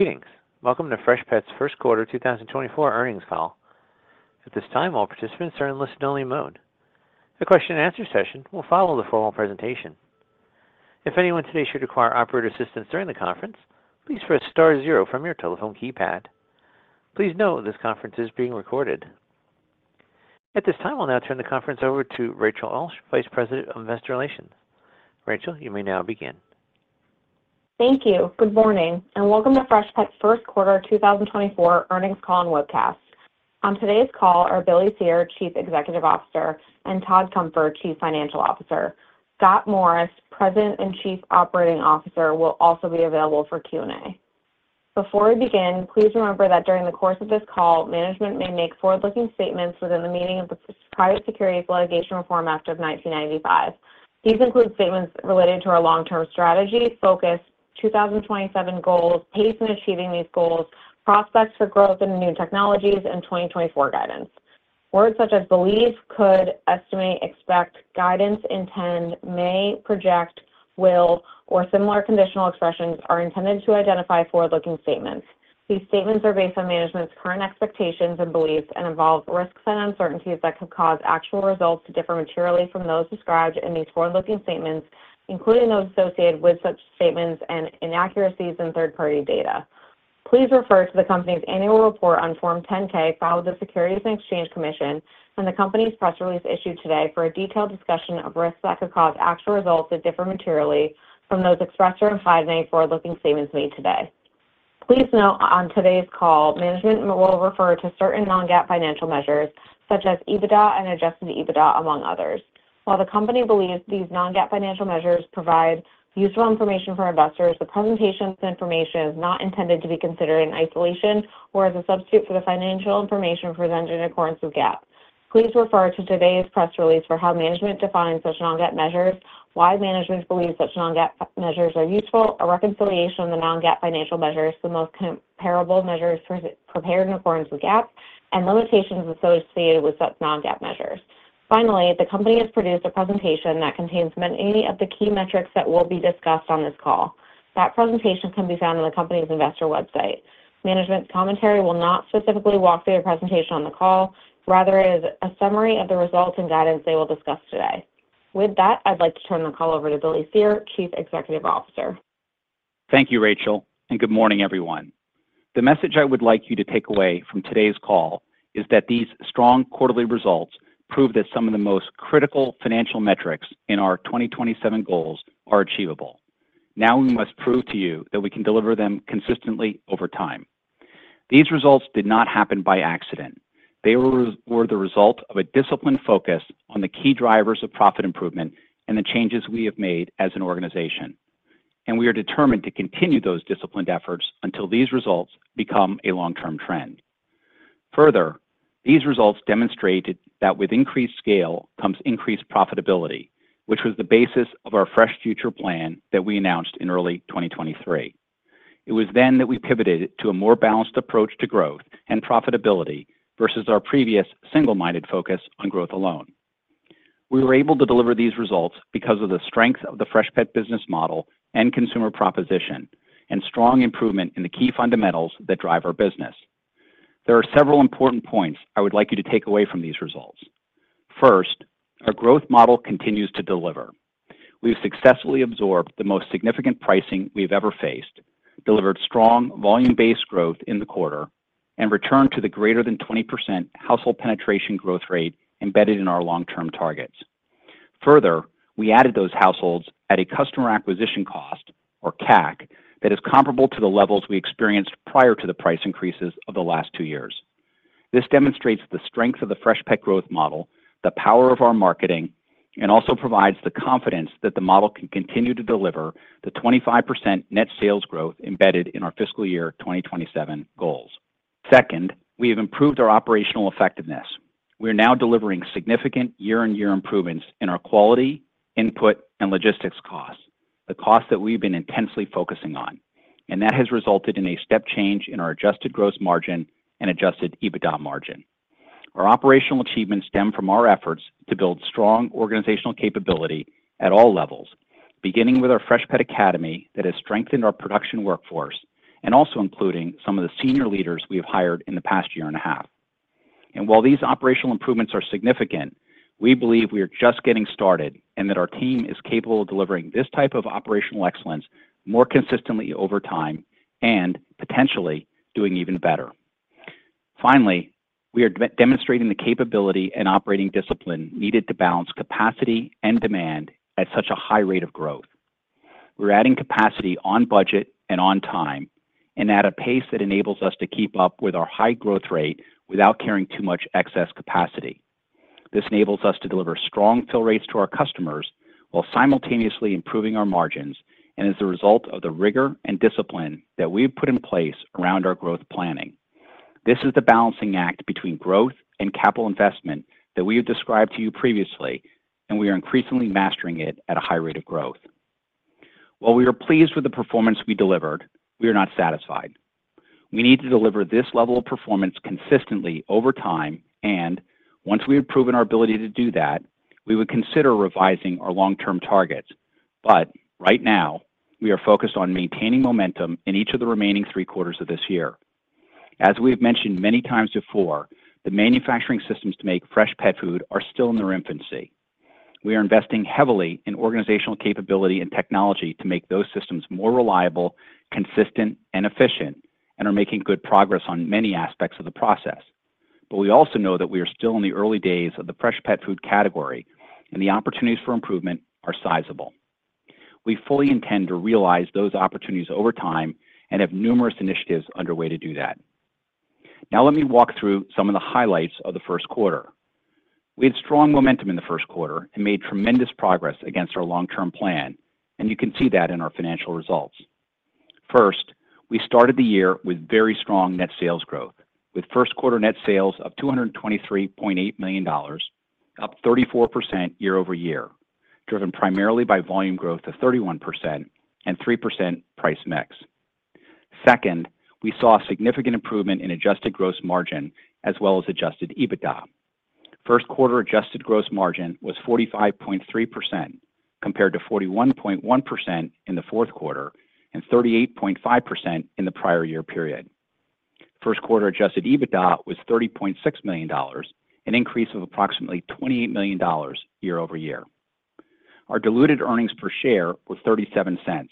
Greetings. Welcome to Freshpet's Q1 2024 Earnings Call. At this time, all participants are in listen-only mode. The question and answer session will follow the formal presentation. If anyone today should require operator assistance during the conference, please press star zero from your telephone keypad. Please note, this conference is being recorded. At this time, I'll now turn the conference over to Rachel Ulsh, Vice President of Investor Relations. Rachel, you may now begin. Thank you. Good morning, and welcome to Freshpet's Q1 2024 earnings call and webcast. On today's call are Billy Cyr, Chief Executive Officer, and Todd Comfort, Chief Financial Officer. Scott Morris, President and Chief Operating Officer, will also be available for Q&A. Before we begin, please remember that during the course of this call, management may make forward-looking statements within the meaning of the Private Securities Litigation Reform Act of 1995. These include statements related to our long-term strategy, focus, 2027 goals, pace in achieving these goals, prospects for growth in new technologies, and 2024 guidance. Words such as believe, could, estimate, expect, guidance, intend, may, project, will, or similar conditional expressions are intended to identify forward-looking statements. These statements are based on management's current expectations and beliefs and involve risks and uncertainties that could cause actual results to differ materially from those described in these forward-looking statements, including those associated with such statements and inaccuracies in third-party data. Please refer to the company's annual report on Form 10-K filed with the Securities and Exchange Commission and the company's press release issued today for a detailed discussion of risks that could cause actual results to differ materially from those expressed or implied in any forward-looking statements made today. Please note, on today's call, management will refer to certain non-GAAP financial measures such as EBITDA and adjusted EBITDA, among others. While the company believes these non-GAAP financial measures provide useful information for investors, the presentation of information is not intended to be considered in isolation or as a substitute for the financial information presented in accordance with GAAP. Please refer to today's press release for how management defines such non-GAAP measures, why management believes such non-GAAP measures are useful, a reconciliation of the non-GAAP financial measures, the most comparable measures prepared in accordance with GAAP, and limitations associated with such non-GAAP measures. Finally, the company has produced a presentation that contains many of the key metrics that will be discussed on this call. That presentation can be found on the company's investor website. Management's commentary will not specifically walk through the presentation on the call, rather it is a summary of the results and guidance they will discuss today. With that, I'd like to turn the call over to Billy Cyr, Chief Executive Officer. Thank you, Rachel, and good morning, everyone. The message I would like you to take away from today's call is that these strong quarterly results prove that some of the most critical financial metrics in our 2027 goals are achievable. Now, we must prove to you that we can deliver them consistently over time. These results did not happen by accident. They were the result of a disciplined focus on the key drivers of profit improvement and the changes we have made as an organization, and we are determined to continue those disciplined efforts until these results become a long-term trend. Further, these results demonstrated that with increased scale comes increased profitability, which was the basis of our Fresh Future plan that we announced in early 2023. It was then that we pivoted to a more balanced approach to growth and profitability versus our previous single-minded focus on growth alone. We were able to deliver these results because of the strength of the Freshpet business model and consumer proposition, and strong improvement in the key fundamentals that drive our business. There are several important points I would like you to take away from these results. First, our growth model continues to deliver. We've successfully absorbed the most significant pricing we've ever faced, delivered strong volume-based growth in the quarter, and returned to the greater than 20% household penetration growth rate embedded in our long-term targets. Further, we added those households at a customer acquisition cost, or CAC, that is comparable to the levels we experienced prior to the price increases of the last two years. This demonstrates the strength of the Freshpet growth model, the power of our marketing, and also provides the confidence that the model can continue to deliver the 25% net sales growth embedded in our fiscal year 2027 goals. Second, we have improved our operational effectiveness. We are now delivering significant year-on-year improvements in our quality, input, and logistics costs, the costs that we've been intensely focusing on, and that has resulted in a step change in our adjusted gross margin and adjusted EBITDA margin. Our operational achievements stem from our efforts to build strong organizational capability at all levels, beginning with our Freshpet Academy, that has strengthened our production workforce and also including some of the senior leaders we have hired in the past year and a half. And while these operational improvements are significant, we believe we are just getting started and that our team is capable of delivering this type of operational excellence more consistently over time and potentially doing even better. Finally, we are demonstrating the capability and operating discipline needed to balance capacity and demand at such a high rate of growth. We're adding capacity on budget and on time, and at a pace that enables us to keep up with our high growth rate without carrying too much excess capacity. This enables us to deliver strong fill rates to our customers while simultaneously improving our margins, and as a result of the rigor and discipline that we've put in place around our growth planning. This is the balancing act between growth and capital investment that we have described to you previously, and we are increasingly mastering it at a high rate of growth. While we are pleased with the performance we delivered, we are not satisfied. We need to deliver this level of performance consistently over time. Once we have proven our ability to do that, we would consider revising our long-term targets. But right now, we are focused on maintaining momentum in each of the remaining three quarters of this year. As we have mentioned many times before, the manufacturing systems to make fresh pet food are still in their infancy. We are investing heavily in organizational capability and technology to make those systems more reliable, consistent, and efficient, and are making good progress on many aspects of the process. But we also know that we are still in the early days of the fresh pet food category, and the opportunities for improvement are sizable. We fully intend to realize those opportunities over time and have numerous initiatives underway to do that. Now, let me walk through some of the highlights of the Q1. We had strong momentum in the Q1 and made tremendous progress against our long-term plan, and you can see that in our financial results. First, we started the year with very strong net sales growth, with Q1 net sales of $223.8 million, up 34% year-over-year, driven primarily by volume growth of 31% and 3% price mix. Second, we saw a significant improvement in Adjusted Gross Margin as well as Adjusted EBITDA. Q1 adjusted gross margin was 45.3%, compared to 41.1% in the Q4 and 38.5% in the prior year period. Q1 adjusted EBITDA was $30.6 million, an increase of approximately $28 million year-over-year. Our diluted earnings per share were $0.37.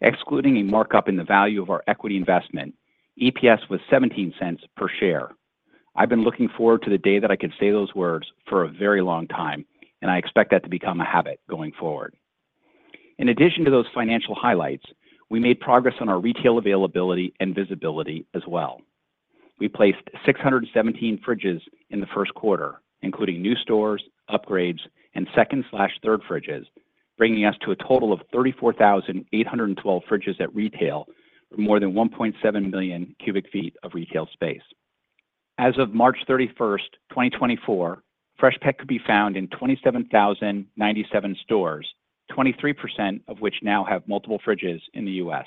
Excluding a markup in the value of our equity investment, EPS was $0.17 per share. I've been looking forward to the day that I could say those words for a very long time, and I expect that to become a habit going forward. In addition to those financial highlights, we made progress on our retail availability and visibility as well. We placed 617 fridges in the Q1, including new stores, upgrades, and second/third fridges, bringing us to a total of 34,812 fridges at retail, with more than 1.7 million cubic feet of retail space. As of March 31, 2024, Freshpet could be found in 27,097 stores, 23% of which now have multiple fridges in the U.S.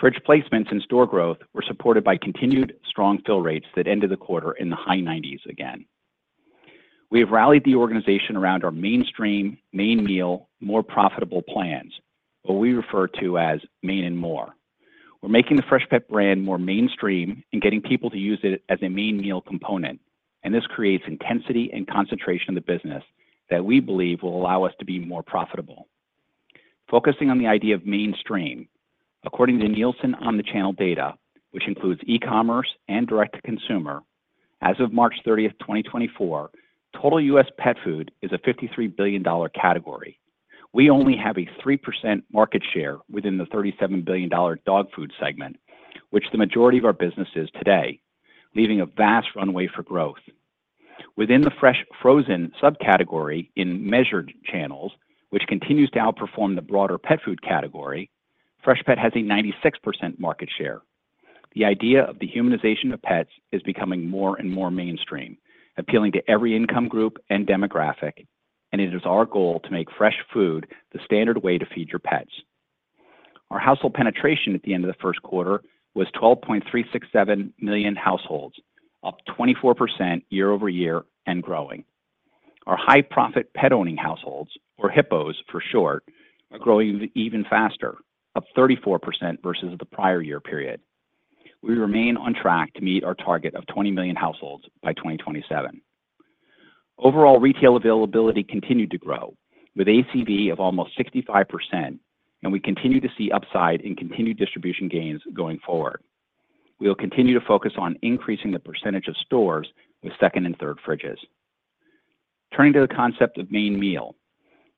Fridge placements and store growth were supported by continued strong fill rates that ended the quarter in the high 90s again. We have rallied the organization around our mainstream, main meal, more profitable plans, what we refer to as Main and More. We're making the Freshpet brand more mainstream and getting people to use it as a main meal component, and this creates intensity and concentration of the business that we believe will allow us to be more profitable. Focusing on the idea of mainstream, according to Nielsen Omnichannel data, which includes e-commerce and direct-to-consumer, as of March thirtieth, 2024, total U.S. pet food is a $53 billion category. We only have a 3% market share within the $37 billion dog food segment, which the majority of our business is today, leaving a vast runway for growth. Within the fresh, frozen subcategory in measured channels, which continues to outperform the broader pet food category, Freshpet has a 96% market share. The idea of the humanization of pets is becoming more and more mainstream, appealing to every income group and demographic, and it is our goal to make fresh food the standard way to feed your pets. Our household penetration at the end of the Q1 was 12.367 million households, up 24% year-over-year and growing. Our high profit pet owning households, or HIPPOs for short, are growing even faster, up 34% versus the prior year period. We remain on track to meet our target of 20 million households by 2027. Overall, retail availability continued to grow, with ACV of almost 65%, and we continue to see upside in continued distribution gains going forward. We will continue to focus on increasing the percentage of stores with second and third fridges. Turning to the concept of main meal,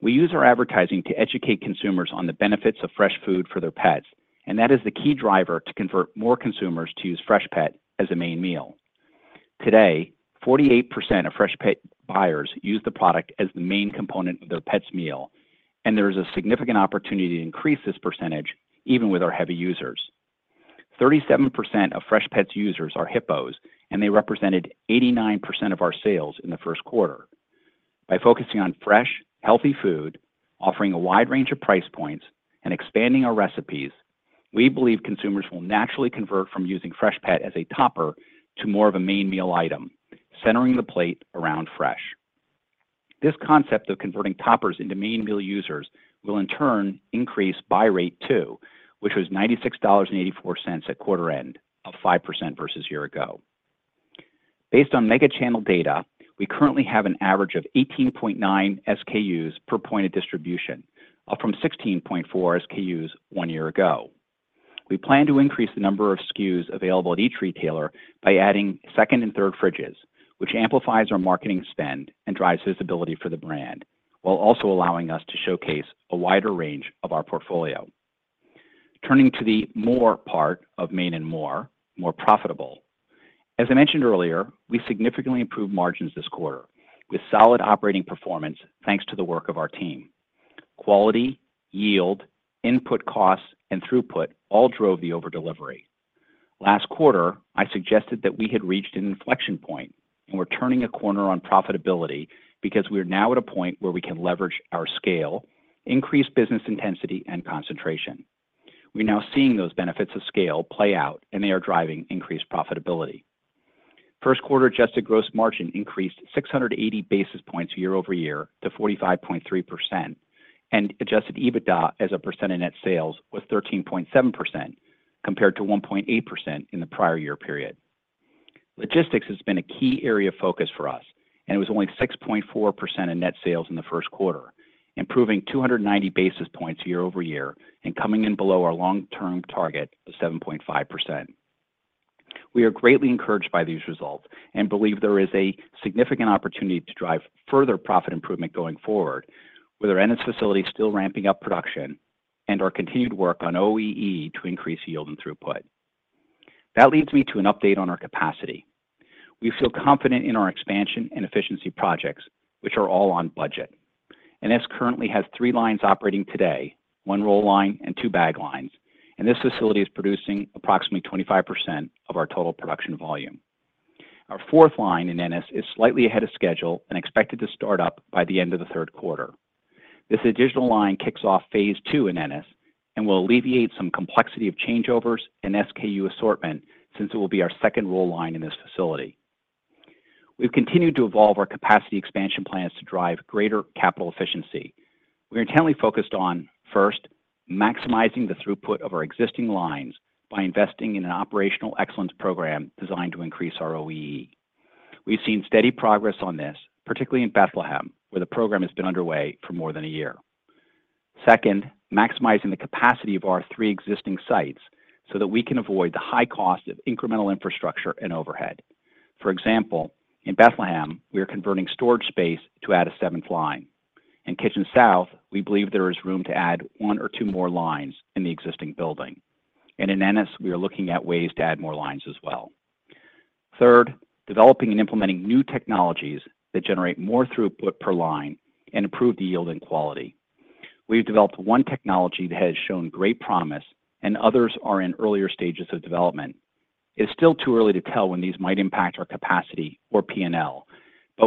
we use our advertising to educate consumers on the benefits of fresh food for their pets, and that is the key driver to convert more consumers to use Freshpet as a main meal. Today, 48% of Freshpet buyers use the product as the main component of their pet's meal, and there is a significant opportunity to increase this percentage even with our heavy users. 37% of Freshpet's users are HIPPOs, and they represented 89% of our sales in the Q1. By focusing on fresh, healthy food, offering a wide range of price points, and expanding our recipes, we believe consumers will naturally convert from using Freshpet as a topper to more of a main meal item, centering the plate around fresh. This concept of converting toppers into main meal users will in turn increase buy rate too, which was $96.84 at quarter end, up 5% versus year ago. Based on Mega Channel data, we currently have an average of 18.9 SKUs per point of distribution, up from 16.4 SKUs one year ago. We plan to increase the number of SKUs available at each retailer by adding second and third fridges, which amplifies our marketing spend and drives visibility for the brand, while also allowing us to showcase a wider range of our portfolio. Turning to the more part of Main and More, more profitable. As I mentioned earlier, we significantly improved margins this quarter with solid operating performance, thanks to the work of our team. Quality, yield, input costs, and throughput all drove the over delivery. Last quarter, I suggested that we had reached an inflection point, and we're turning a corner on profitability because we are now at a point where we can leverage our scale, increase business intensity, and concentration.... We're now seeing those benefits of scale play out, and they are driving increased profitability. Q1 Adjusted Gross Margin increased 680 basis points year-over-year to 45.3%, and Adjusted EBITDA as a percent of net sales was 13.7%, compared to 1.8% in the prior year period. Logistics has been a key area of focus for us, and it was only 6.4% of net sales in the Q1, improving 290 basis points year-over-year and coming in below our long-term target of 7.5%. We are greatly encouraged by these results and believe there is a significant opportunity to drive further profit improvement going forward with our Ennis facility still ramping up production and our continued work on OEE to increase yield and throughput. That leads me to an update on our capacity. We feel confident in our expansion and efficiency projects, which are all on budget. Ennis currently has 3 lines operating today, 1 roll line and 2 bag lines, and this facility is producing approximately 25% of our total production volume. Our fourth line in Ennis is slightly ahead of schedule and expected to start up by the end of the Q3. This additional line kicks off phase two in Ennis and will alleviate some complexity of changeovers and SKU assortment since it will be our second roll line in this facility. We've continued to evolve our capacity expansion plans to drive greater capital efficiency. We are entirely focused on, first, maximizing the throughput of our existing lines by investing in an operational excellence program designed to increase our OEE. We've seen steady progress on this, particularly in Bethlehem, where the program has been underway for more than a year. Second, maximizing the capacity of our three existing sites so that we can avoid the high cost of incremental infrastructure and overhead. For example, in Bethlehem, we are converting storage space to add a seventh line. In Kitchen South, we believe there is room to add one or two more lines in the existing building. In Ennis, we are looking at ways to add more lines as well. Third, developing and implementing new technologies that generate more throughput per line and improve the yield and quality. We've developed one technology that has shown great promise, and others are in earlier stages of development. It's still too early to tell when these might impact our capacity or P&L, but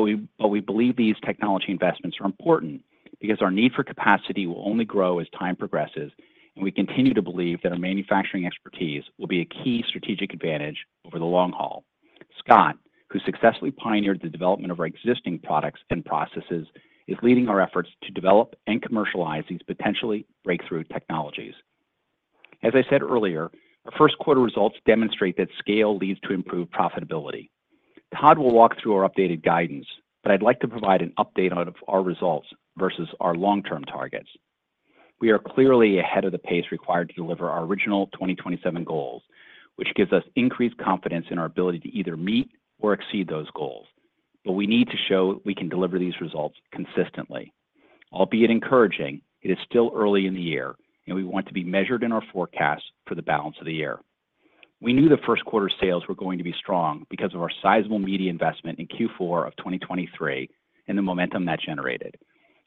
we believe these technology investments are important because our need for capacity will only grow as time progresses, and we continue to believe that our manufacturing expertise will be a key strategic advantage over the long haul. Scott, who successfully pioneered the development of our existing products and processes, is leading our efforts to develop and commercialize these potentially breakthrough technologies. As I said earlier, our Q1 results demonstrate that scale leads to improved profitability. Todd will walk through our updated guidance, but I'd like to provide an update out of our results versus our long-term targets. We are clearly ahead of the pace required to deliver our original 2027 goals, which gives us increased confidence in our ability to either meet or exceed those goals. But we need to show we can deliver these results consistently. Albeit encouraging, it is still early in the year, and we want to be measured in our forecast for the balance of the year. We knew the Q1 sales were going to be strong because of our sizable media investment in Q4 of 2023 and the momentum that generated,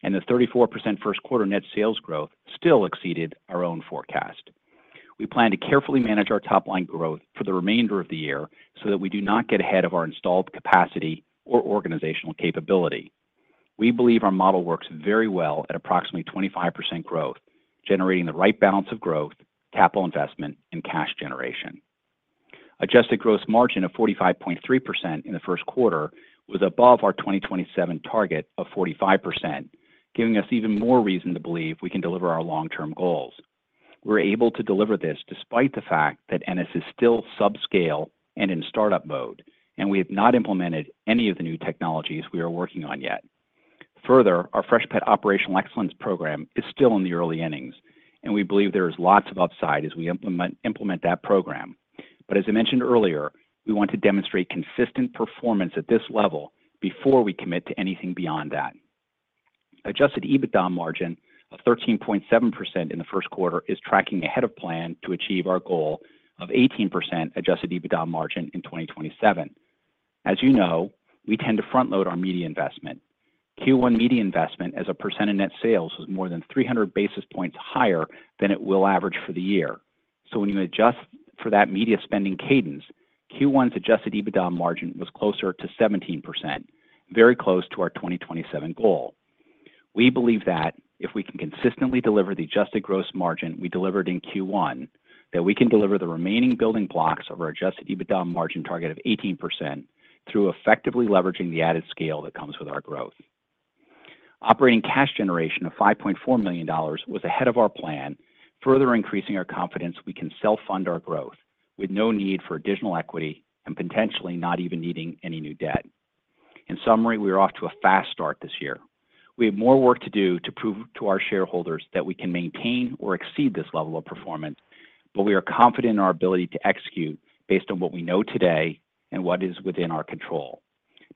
and the 34% Q1 net sales growth still exceeded our own forecast. We plan to carefully manage our top line growth for the remainder of the year so that we do not get ahead of our installed capacity or organizational capability. We believe our model works very well at approximately 25% growth, generating the right balance of growth, capital investment, and cash generation. Adjusted gross margin of 45.3% in the Q1 was above our 2027 target of 45%, giving us even more reason to believe we can deliver our long-term goals. We're able to deliver this despite the fact that Ennis is still subscale and in startup mode, and we have not implemented any of the new technologies we are working on yet. Further, our Freshpet Operational Excellence program is still in the early innings, and we believe there is lots of upside as we implement that program. But as I mentioned earlier, we want to demonstrate consistent performance at this level before we commit to anything beyond that. Adjusted EBITDA margin of 13.7% in the Q1 is tracking ahead of plan to achieve our goal of 18% adjusted EBITDA margin in 2027. As you know, we tend to front load our media investment. Q1 media investment as a percent of net sales, was more than 300 basis points higher than it will average for the year. So when you adjust for that media spending cadence, Q1's adjusted EBITDA margin was closer to 17%, very close to our 2027 goal. We believe that if we can consistently deliver the adjusted gross margin we delivered in Q1, that we can deliver the remaining building blocks of our adjusted EBITDA margin target of 18% through effectively leveraging the added scale that comes with our growth. Operating cash generation of $5.4 million was ahead of our plan, further increasing our confidence we can self-fund our growth with no need for additional equity and potentially not even needing any new debt. In summary, we are off to a fast start this year. We have more work to do to prove to our shareholders that we can maintain or exceed this level of performance, but we are confident in our ability to execute based on what we know today and what is within our control.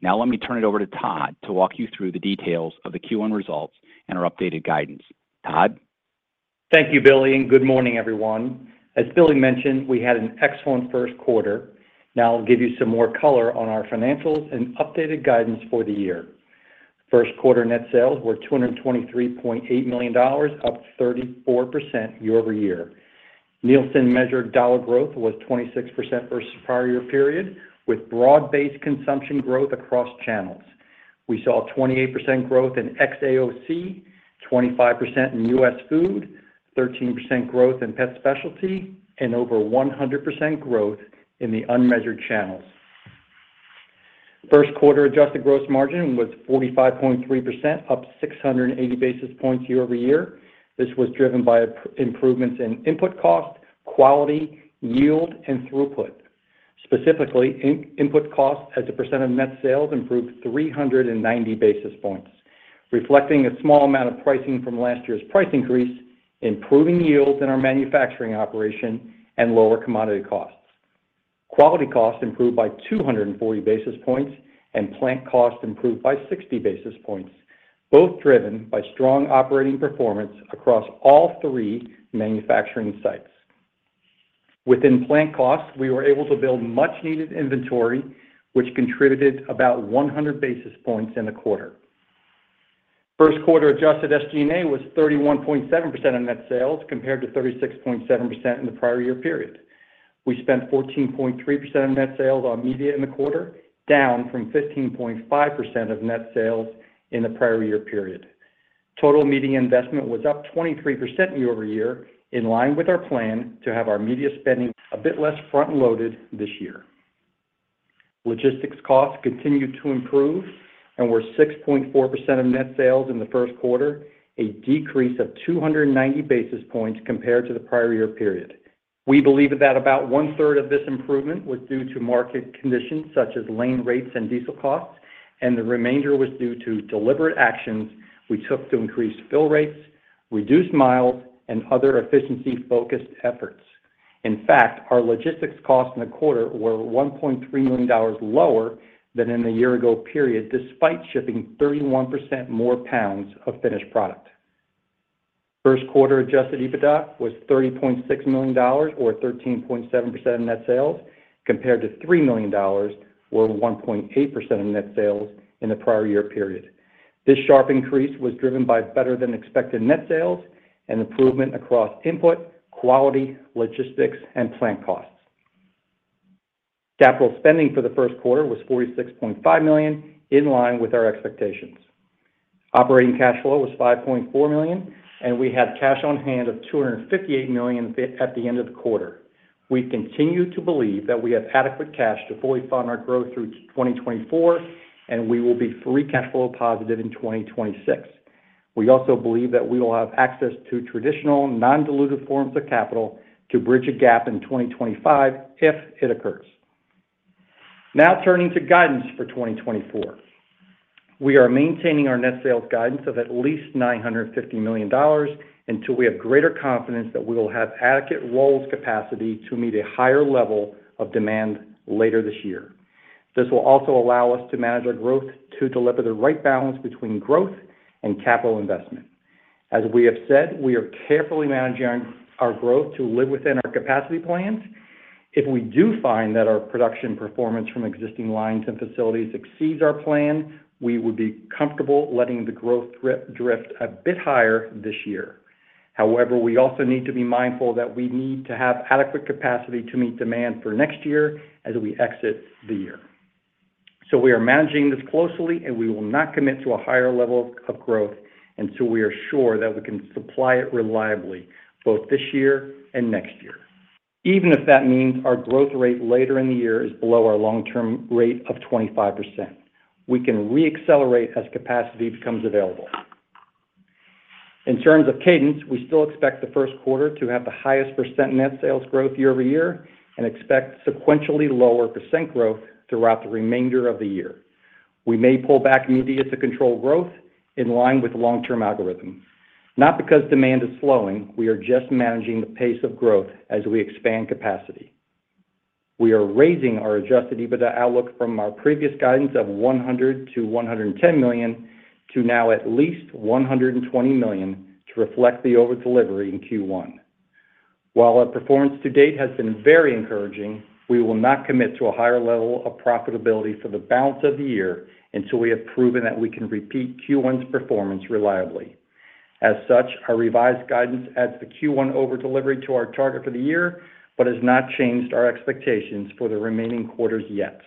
Now, let me turn it over to Todd to walk you through the details of the Q1 results and our updated guidance. Todd? Thank you, Billy, and good morning, everyone. As Billy mentioned, we had an excellent Q1. Now I'll give you some more color on our financials and updated guidance for the year. Q1 net sales were $223.8 million, up 34% year-over-year. Nielsen-measured dollar growth was 26% versus prior year period, with broad-based consumption growth across channels. We saw a 28% growth in xAOC, 25% in U.S. food, 13% growth in pet specialty, and over 100% growth in the unmeasured channels. Q1 adjusted gross margin was 45.3%, up 680 basis points year-over-year. This was driven by improvements in input cost, quality, yield, and throughput. Specifically, input costs as a percent of net sales improved 390 basis points, reflecting a small amount of pricing from last year's price increase, improving yields in our manufacturing operation, and lower commodity costs. Quality costs improved by 240 basis points, and plant costs improved by 60 basis points, both driven by strong operating performance across all three manufacturing sites. Within plant costs, we were able to build much-needed inventory, which contributed about 100 basis points in the quarter. Q1 adjusted SG&A was 31.7% of net sales, compared to 36.7% in the prior year period. We spent 14.3% of net sales on media in the quarter, down from 15.5% of net sales in the prior year period. Total media investment was up 23% year-over-year, in line with our plan to have our media spending a bit less front-loaded this year. Logistics costs continued to improve and were 6.4% of net sales in the Q1, a decrease of 290 basis points compared to the prior year period. We believe that about one-third of this improvement was due to market conditions, such as lane rates and diesel costs, and the remainder was due to deliberate actions we took to increase fill rates, reduce miles, and other efficiency-focused efforts. In fact, our logistics costs in the quarter were $1.3 million lower than in the year ago period, despite shipping 31% more pounds of finished product. Q1 Adjusted EBITDA was $30.6 million, or 13.7% of net sales, compared to $3 million, or 1.8% of net sales, in the prior year period. This sharp increase was driven by better-than-expected net sales and improvement across input, quality, logistics, and plant costs. Capital spending for the Q1 was $46.5 million, in line with our expectations. Operating cash flow was $5.4 million, and we had cash on hand of $258 million at the end of the quarter. We continue to believe that we have adequate cash to fully fund our growth through 2024, and we will be free cash flow positive in 2026. We also believe that we will have access to traditional non-dilutive forms of capital to bridge a gap in 2025 if it occurs. Now turning to guidance for 2024. We are maintaining our net sales guidance of at least $950 million until we have greater confidence that we will have adequate rolls capacity to meet a higher level of demand later this year. This will also allow us to manage our growth to deliver the right balance between growth and capital investment. As we have said, we are carefully managing our growth to live within our capacity plans. If we do find that our production performance from existing lines and facilities exceeds our plan, we would be comfortable letting the growth drift, drift a bit higher this year. However, we also need to be mindful that we need to have adequate capacity to meet demand for next year as we exit the year. So we are managing this closely, and we will not commit to a higher level of growth until we are sure that we can supply it reliably, both this year and next year, even if that means our growth rate later in the year is below our long-term rate of 25%. We can re-accelerate as capacity becomes available. In terms of cadence, we still expect the Q1 to have the highest percent net sales growth year-over-year and expect sequentially lower percent growth throughout the remainder of the year. We may pull back media to control growth in line with long-term algorithms, not because demand is slowing, we are just managing the pace of growth as we expand capacity. We are raising our adjusted EBITDA outlook from our previous guidance of $100 million-$110 million to now at least $120 million to reflect the over-delivery in Q1. While our performance to date has been very encouraging, we will not commit to a higher level of profitability for the balance of the year until we have proven that we can repeat Q1's performance reliably. As such, our revised guidance adds the Q1 over-delivery to our target for the year, but has not changed our expectations for the remaining quarters yet.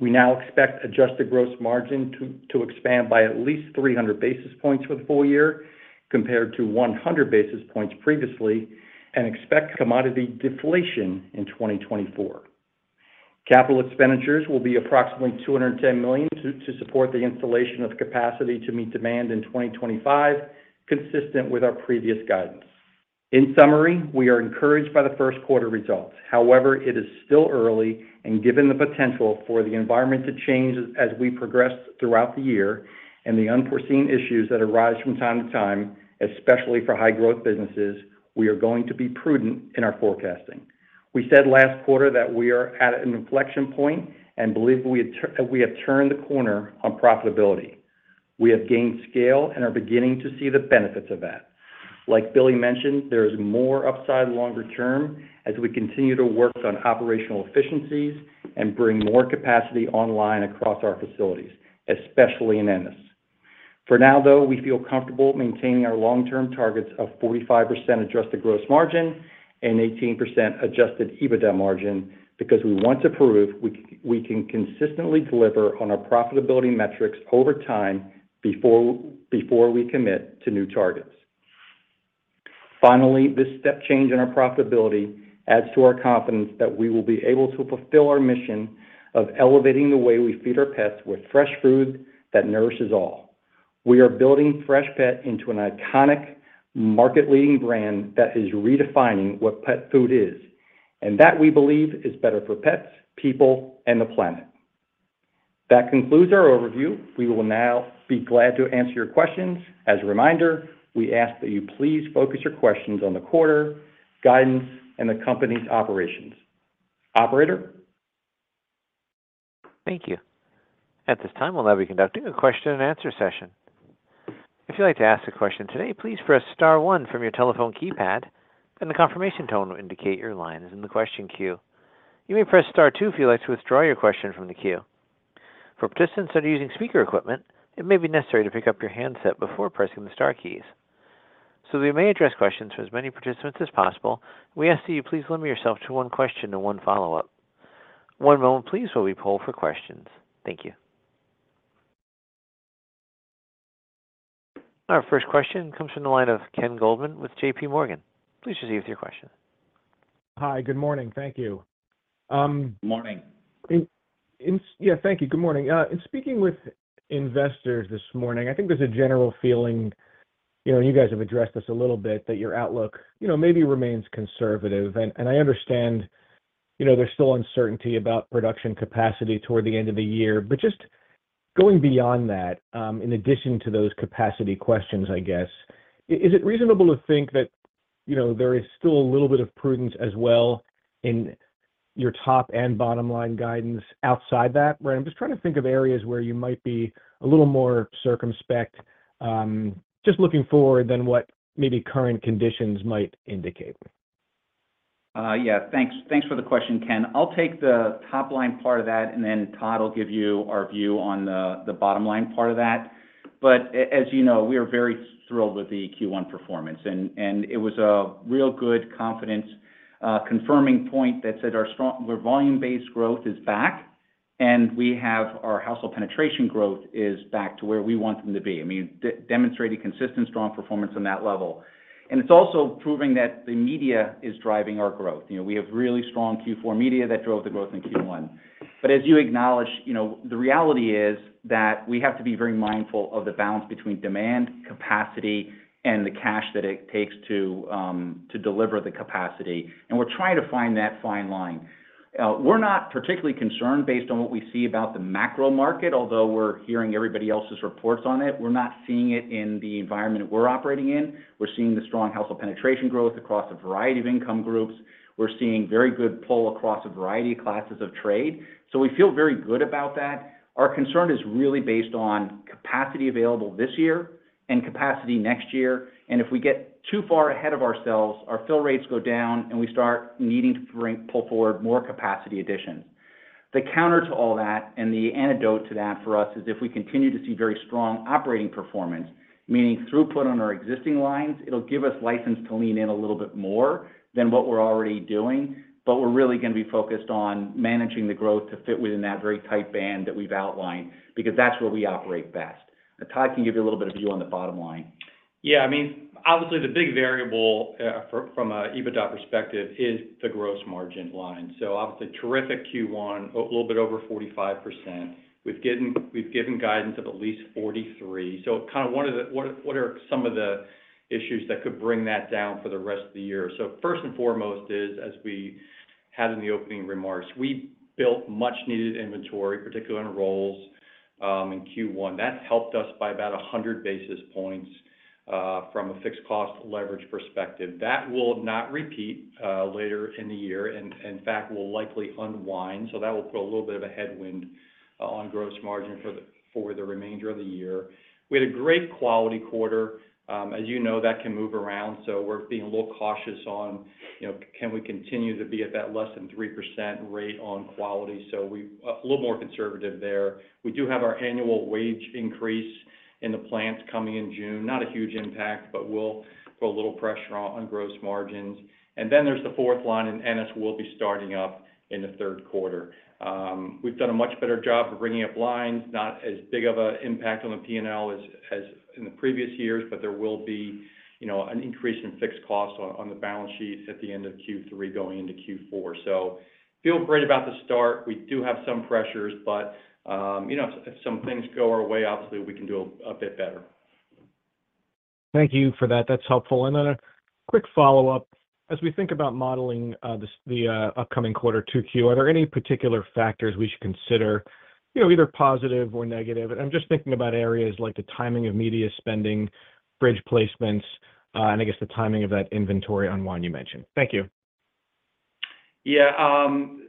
We now expect adjusted gross margin to expand by at least 300 basis points for the full year, compared to 100 basis points previously, and expect commodity deflation in 2024. Capital expenditures will be approximately $210 million to support the installation of capacity to meet demand in 2025, consistent with our previous guidance. In summary, we are encouraged by the Q1 results. However, it is still early, and given the potential for the environment to change as we progress throughout the year and the unforeseen issues that arise from time to time, especially for high growth businesses, we are going to be prudent in our forecasting. We said last quarter that we are at an inflection point and believe we have turned the corner on profitability. We have gained scale and are beginning to see the benefits of that. Like Billy mentioned, there is more upside longer term as we continue to work on operational efficiencies and bring more capacity online across our facilities, especially in Ennis. ...For now, though, we feel comfortable maintaining our long-term targets of 45% adjusted gross margin and 18% adjusted EBITDA margin, because we want to prove we can consistently deliver on our profitability metrics over time before we commit to new targets. Finally, this step change in our profitability adds to our confidence that we will be able to fulfill our mission of elevating the way we feed our pets with fresh food that nourishes all. We are building Freshpet into an iconic, market-leading brand that is redefining what pet food is, and that, we believe, is better for pets, people, and the planet. That concludes our overview. We will now be glad to answer your questions. As a reminder, we ask that you please focus your questions on the quarter, guidance, and the company's operations. Operator? Thank you. At this time, we'll now be conducting a question-and-answer session. If you'd like to ask a question today, please press star one from your telephone keypad, and a confirmation tone will indicate your line is in the question queue. You may press star two if you'd like to withdraw your question from the queue. For participants that are using speaker equipment, it may be necessary to pick up your handset before pressing the star keys. So we may address questions for as many participants as possible, we ask that you please limit yourself to one question and one follow-up. One moment, please, while we poll for questions. Thank you. Our first question comes from the line of Ken Goldman with JPMorgan. Please just give us your question. Hi, good morning. Thank you. Morning. Yeah, thank you. Good morning. In speaking with investors this morning, I think there's a general feeling, you know, and you guys have addressed this a little bit, that your outlook, you know, maybe remains conservative. And I understand, you know, there's still uncertainty about production capacity toward the end of the year. But just going beyond that, in addition to those capacity questions, I guess, is it reasonable to think that, you know, there is still a little bit of prudence as well in your top and bottom-line guidance outside that? I'm just trying to think of areas where you might be a little more circumspect, just looking forward than what maybe current conditions might indicate. Yeah. Thanks, thanks for the question, Ken. I'll take the top-line part of that, and then Todd will give you our view on the bottom line part of that. But as you know, we are very thrilled with the Q1 performance, and it was a real good confidence confirming point that said our volume-based growth is back, and we have our household penetration growth is back to where we want them to be. I mean, demonstrating consistent, strong performance on that level. And it's also proving that the media is driving our growth. You know, we have really strong Q4 media that drove the growth in Q1. But as you acknowledge, you know, the reality is that we have to be very mindful of the balance between demand, capacity, and the cash that it takes to, to deliver the capacity, and we're trying to find that fine line. We're not particularly concerned based on what we see about the macro market, although we're hearing everybody else's reports on it. We're not seeing it in the environment we're operating in. We're seeing the strong household penetration growth across a variety of income groups. We're seeing very good pull across a variety of classes of trade, so we feel very good about that. Our concern is really based on capacity available this year and capacity next year, and if we get too far ahead of ourselves, our fill rates go down, and we start needing to pull forward more capacity additions. The counter to all that, and the antidote to that for us, is if we continue to see very strong operating performance, meaning throughput on our existing lines, it'll give us license to lean in a little bit more than what we're already doing. But we're really gonna be focused on managing the growth to fit within that very tight band that we've outlined, because that's where we operate best. Todd can give you a little bit of view on the bottom line. Yeah, I mean, obviously, the big variable from an EBITDA perspective is the gross margin line. So obviously, terrific Q1, a little bit over 45%. We've given guidance of at least 43%. So kind of, what are some of the issues that could bring that down for the rest of the year? So first and foremost is, as we had in the opening remarks, we built much-needed inventory, particularly in rolls, in Q1. That helped us by about 100 basis points from a fixed cost leverage perspective. That will not repeat later in the year, and, in fact, will likely unwind. So that will put a little bit of a headwind on gross margin for the remainder of the year. We had a great quality quarter. As you know, that can move around, so we're being a little cautious on, you know, can we continue to be at that less than 3% rate on quality? So we're a little more conservative there. We do have our annual wage increase in the plants coming in June. Not a huge impact, but will put a little pressure on gross margins. And then there's the fourth line, and Ennis will be starting up in the Q3. We've done a much better job of bringing up lines, not as big of an impact on the PNL as in the previous years, but there will be, you know, an increase in fixed costs on the balance sheet at the end of Q3 going into Q4. So feel great about the start. We do have some pressures, but, you know, if some things go our way, obviously, we can do a bit better. Thank you for that. That's helpful. And then a quick follow-up: As we think about modeling the upcoming quarter, 2Q, are there any particular factors we should consider, you know, either positive or negative? And I'm just thinking about areas like the timing of media spending, bridge placements, and I guess the timing of that inventory unwind you mentioned. Thank you.... Yeah, you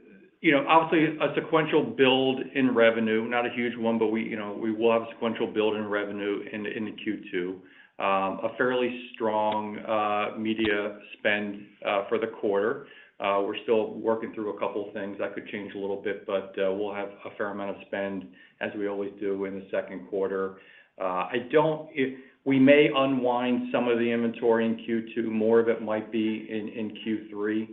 know, obviously, a sequential build in revenue, not a huge one, but we, you know, we will have a sequential build in revenue in the Q2. A fairly strong media spend for the quarter. We're still working through a couple of things that could change a little bit, but we'll have a fair amount of spend as we always do in the Q2. If we may unwind some of the inventory in Q2, more of it might be in Q3.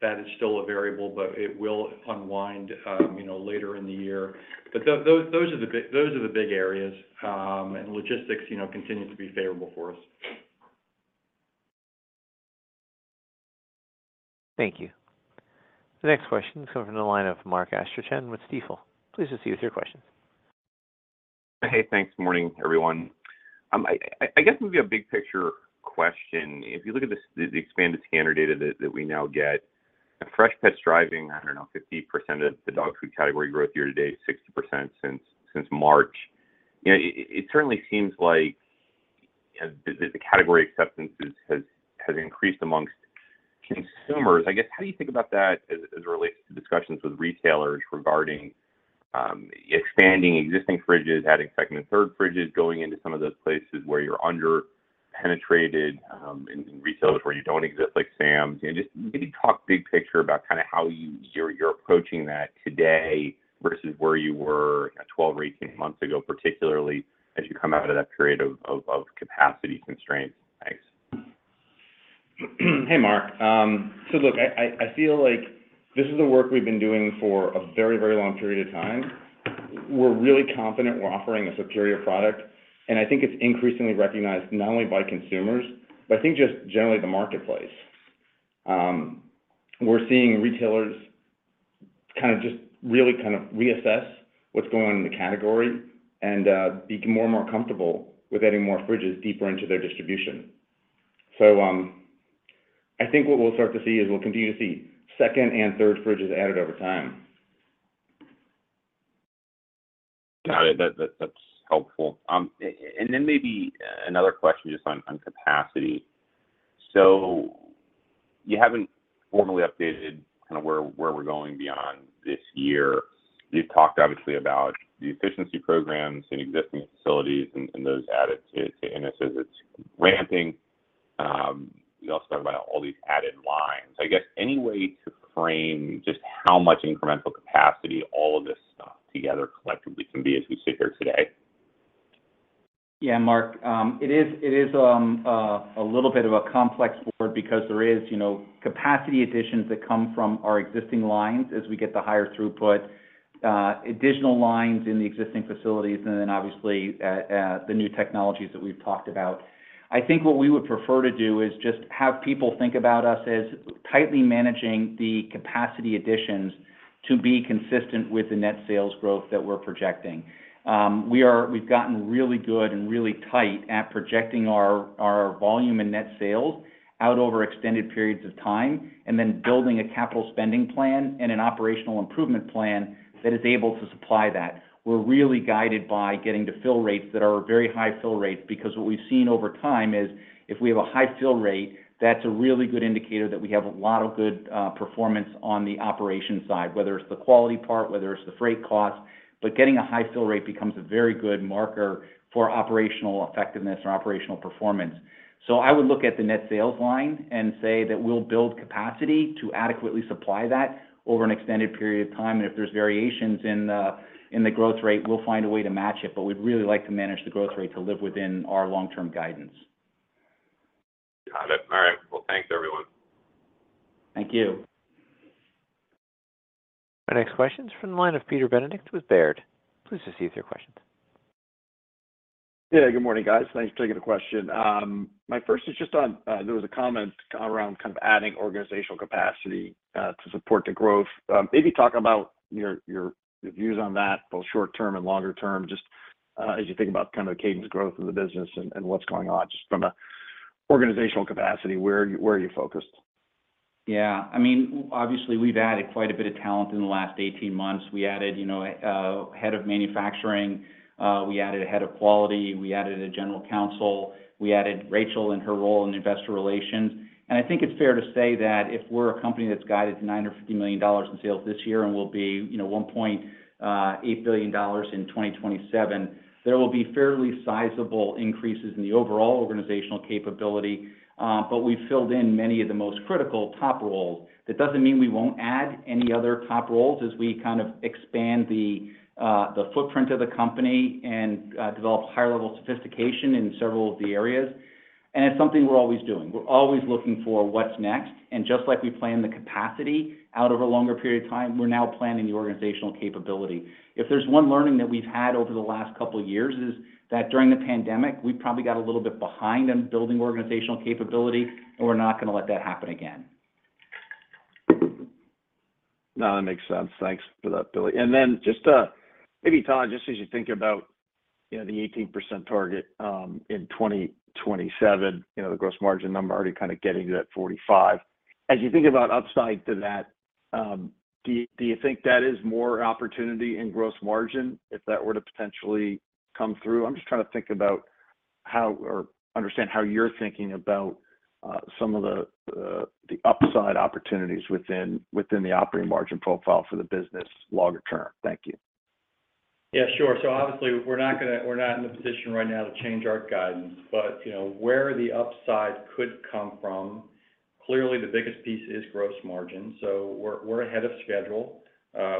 That is still a variable, but it will unwind, you know, later in the year. But those are the big areas. And logistics, you know, continue to be favorable for us. Thank you. The next question comes from the line of Mark Astrachan with Stifel. Please proceed with your question. Hey, thanks. Morning, everyone. I guess maybe a big picture question. If you look at the expanded scanner data that we now get, Freshpet's driving, I don't know, 50% of the dog food category growth year to date, 60% since March. You know, it certainly seems like the category acceptance has increased amongst consumers. I guess, how do you think about that as it relates to discussions with retailers regarding expanding existing fridges, adding second and third fridges, going into some of those places where you're under-penetrated in retailers where you don't exist, like Sam's? And just maybe talk big picture about kinda how you're approaching that today versus where you were 12 or 18 months ago, particularly as you come out of that period of capacity constraints. Thanks. Hey, Mark. So look, I feel like this is the work we've been doing for a very, very long period of time. We're really confident we're offering a superior product, and I think it's increasingly recognized not only by consumers, but I think just generally the marketplace. We're seeing retailers kind of just really kind of reassess what's going on in the category and become more and more comfortable with adding more fridges deeper into their distribution. So, I think what we'll start to see is we'll continue to see second and third fridges added over time. Got it. That, that's helpful. And then maybe another question just on capacity. So you haven't formally updated kind of where we're going beyond this year. You've talked, obviously, about the efficiency programs in existing facilities and those added to Ennis as it's ramping. You also talked about all these added lines. I guess, any way to frame just how much incremental capacity all of this stuff together collectively can be as we sit here today? Yeah, Mark, it is a little bit of a complex work because there is, you know, capacity additions that come from our existing lines as we get the higher throughput, additional lines in the existing facilities, and then obviously, the new technologies that we've talked about. I think what we would prefer to do is just have people think about us as tightly managing the capacity additions to be consistent with the net sales growth that we're projecting. We've gotten really good and really tight at projecting our volume and net sales out over extended periods of time, and then building a capital spending plan and an operational improvement plan that is able to supply that. We're really guided by getting to fill rates that are very high fill rates, because what we've seen over time is, if we have a high fill rate, that's a really good indicator that we have a lot of good performance on the operation side, whether it's the quality part, whether it's the freight cost. But getting a high fill rate becomes a very good marker for operational effectiveness or operational performance. So I would look at the net sales line and say that we'll build capacity to adequately supply that over an extended period of time, and if there's variations in the growth rate, we'll find a way to match it. But we'd really like to manage the growth rate to live within our long-term guidance. Got it. All right. Well, thanks, everyone. Thank you. Our next question is from the line of Peter Benedict with Baird. Please proceed with your questions. Yeah, good morning, guys. Thanks for taking the question. My first is just on, there was a comment around kind of adding organizational capacity to support the growth. Maybe talk about your views on that, both short term and longer term, just as you think about kind of the cadence growth of the business and what's going on, just from a organizational capacity, where are you focused? Yeah. I mean, obviously, we've added quite a bit of talent in the last 18 months. We added, you know, a head of manufacturing, we added a head of quality, we added a general counsel, we added Rachel and her role in Investor Relations. And I think it's fair to say that if we're a company that's guided $9 million or $50 million in sales this year, and we'll be, you know, $1.8 billion in 2027, there will be fairly sizable increases in the overall organizational capability, but we've filled in many of the most critical top roles. That doesn't mean we won't add any other top roles as we kind of expand the footprint of the company and, develop higher-level sophistication in several of the areas. And it's something we're always doing. We're always looking for what's next, and just like we plan the capacity out over a longer period of time, we're now planning the organizational capability. If there's one learning that we've had over the last couple of years, is that during the pandemic, we probably got a little bit behind on building organizational capability, and we're not gonna let that happen again. No, that makes sense. Thanks for that, Billy. And then just, maybe, Todd, just as you think about, you know, the 18% target, in 2027, you know, the gross margin number already kind of getting to that 45. As you think about upside to that, do you think that is more opportunity in gross margin if that were to potentially come through? I'm just trying to think about- ...how to understand how you're thinking about some of the upside opportunities within the operating margin profile for the business longer term. Thank you. Yeah, sure. So obviously, we're not in a position right now to change our guidance, but, you know, where the upside could come from, clearly, the biggest piece is gross margin. So we're ahead of schedule.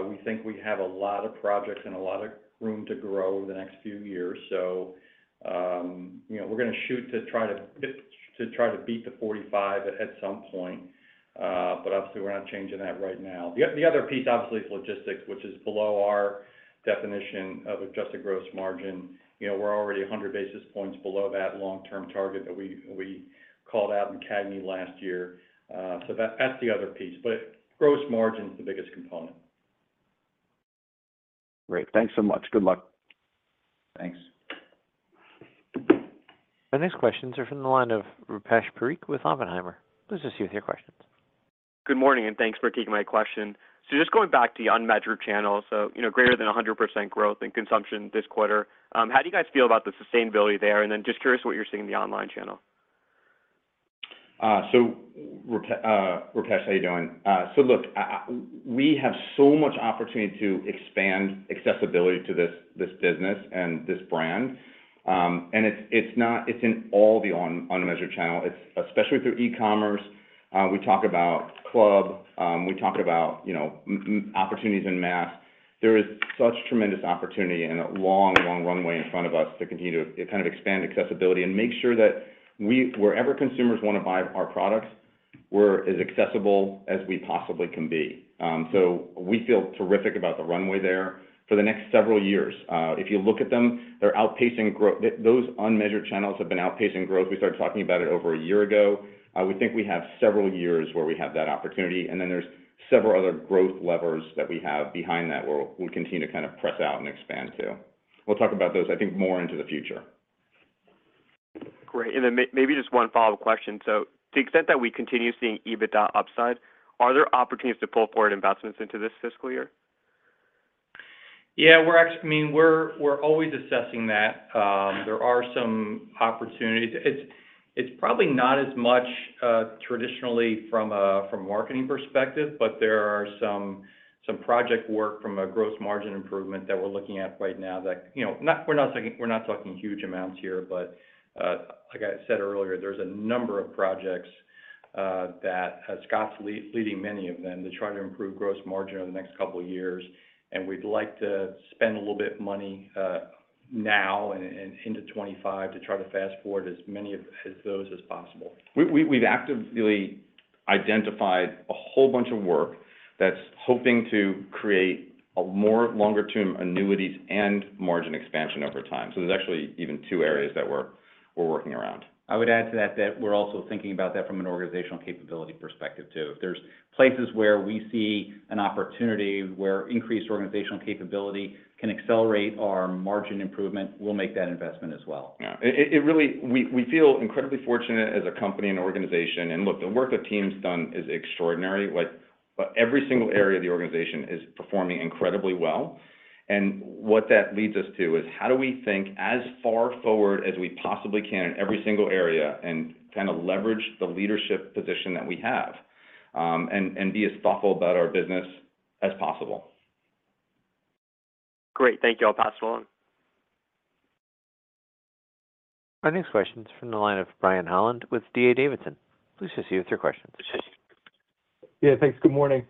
We think we have a lot of projects and a lot of room to grow the next few years. So, you know, we're gonna shoot to try to beat the 45 at some point, but obviously, we're not changing that right now. The other piece, obviously, is logistics, which is below our definition of adjusted gross margin. You know, we're already 100 basis points below that long-term target that we called out in CAGNY last year, so that's the other piece. But gross margin is the biggest component. Great. Thanks so much. Good luck. Thanks. Our next questions are from the line of Rupesh Parikh with Oppenheimer. Please proceed with your questions. Good morning, and thanks for taking my question. So just going back to the unmeasured channel, so, you know, greater than 100% growth in consumption this quarter, how do you guys feel about the sustainability there? And then just curious what you're seeing in the online channel. So Rupesh, how you doing? So look, we have so much opportunity to expand accessibility to this business and this brand. And it's in all the unmeasured channel. It's especially through e-commerce. We talk about club. We talk about, you know, opportunities in mass. There is such tremendous opportunity and a long, long runway in front of us to continue to kind of expand accessibility and make sure that wherever consumers wanna buy our products, we're as accessible as we possibly can be. So we feel terrific about the runway there for the next several years. If you look at them, they're outpacing growth. Those unmeasured channels have been outpacing growth. We started talking about it over a year ago. We think we have several years where we have that opportunity, and then there's several other growth levers that we have behind that, where we continue to kind of press out and expand to. We'll talk about those, I think, more into the future. Great. And then maybe just one follow-up question. So to the extent that we continue seeing EBITDA upside, are there opportunities to pull forward investments into this fiscal year? Yeah, we're actually. I mean, we're always assessing that. There are some opportunities. It's probably not as much traditionally from a marketing perspective, but there are some project work from a gross margin improvement that we're looking at right now that, you know, not. We're not talking, we're not talking huge amounts here, but, like I said earlier, there's a number of projects that Scott's leading many of them to try to improve gross margin over the next couple of years, and we'd like to spend a little bit of money now and into 25 to try to fast forward as many of those as possible. We've actively identified a whole bunch of work that's hoping to create a more longer-term annuities and margin expansion over time. So there's actually even two areas that we're working around. I would add to that, that we're also thinking about that from an organizational capability perspective, too. If there's places where we see an opportunity where increased organizational capability can accelerate our margin improvement, we'll make that investment as well. Yeah, it really—we feel incredibly fortunate as a company and organization, and look, the work the team's done is extraordinary. Like, every single area of the organization is performing incredibly well, and what that leads us to is, how do we think as far forward as we possibly can in every single area and kind of leverage the leadership position that we have, and be as thoughtful about our business as possible? Great. Thank you. I'll pass it on. Our next question is from the line of Brian Holland with D.A. Davidson. Please proceed with your questions. Yeah, thanks. Good morning.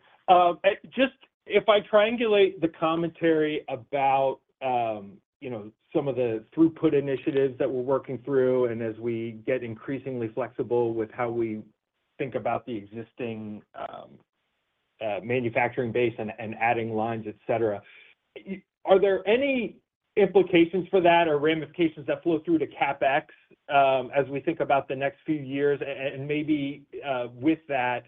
Just if I triangulate the commentary about, you know, some of the throughput initiatives that we're working through, and as we get increasingly flexible with how we think about the existing manufacturing base and adding lines, et cetera, are there any implications for that or ramifications that flow through to CapEx as we think about the next few years? And maybe, with that,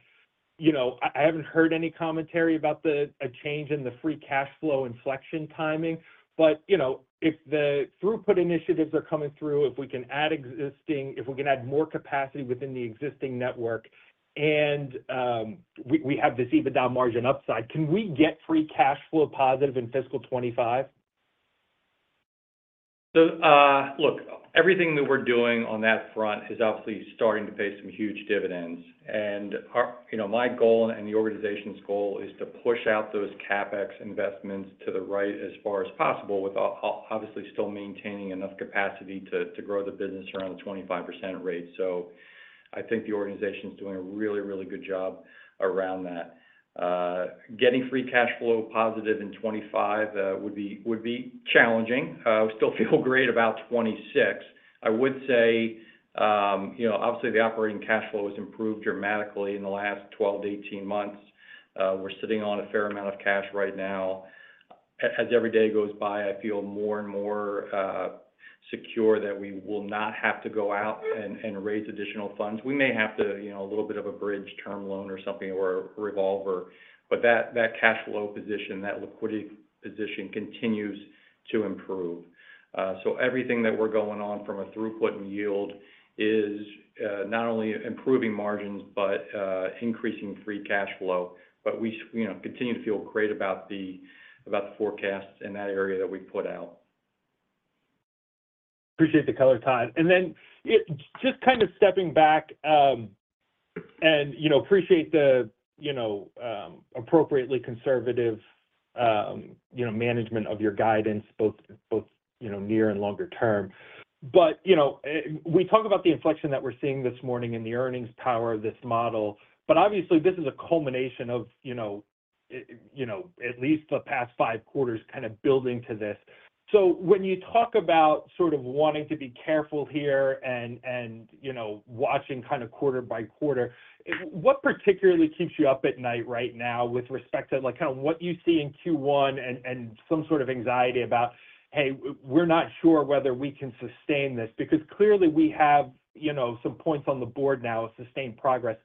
you know, I haven't heard any commentary about the... a change in the free cash flow inflection timing, but, you know, if the throughput initiatives are coming through, if we can add more capacity within the existing network, and we have this EBITDA margin upside, can we get free cash flow positive in fiscal 2025? So, look, everything that we're doing on that front is obviously starting to pay some huge dividends. And, you know, my goal and the organization's goal is to push out those CapEx investments to the right as far as possible, with obviously still maintaining enough capacity to grow the business around the 25% rate. So I think the organization is doing a really, really good job around that. Getting free cash flow positive in 2025 would be challenging. We still feel great about 2026. I would say, you know, obviously, the operating cash flow has improved dramatically in the last 12-18 months. We're sitting on a fair amount of cash right now. As every day goes by, I feel more and more secure that we will not have to go out and, and raise additional funds. We may have to, you know, a little bit of a bridge term loan or something, or a revolver, but that, that cash flow position, that liquidity position continues to improve. So everything that we're going on from a throughput and yield-... is not only improving margins, but increasing free cash flow. But we, you know, continue to feel great about the forecasts in that area that we've put out. Appreciate the color, Todd. And then it—just kind of stepping back, and, you know, appreciate the, you know, appropriately conservative, you know, management of your guidance, both, you know, near and longer term. But, you know, we talk about the inflection that we're seeing this morning in the earnings power of this model, but obviously, this is a culmination of, you know, it, you know, at least the past five quarters kind of building to this. So when you talk about sort of wanting to be careful here and, and, you know, watching kind of quarter by quarter, what particularly keeps you up at night right now with respect to, like, kind of what you see in Q1 and, and some sort of anxiety about, "Hey, we're not sure whether we can sustain this?" Because clearly, we have, you know, some points on the board now of sustained progress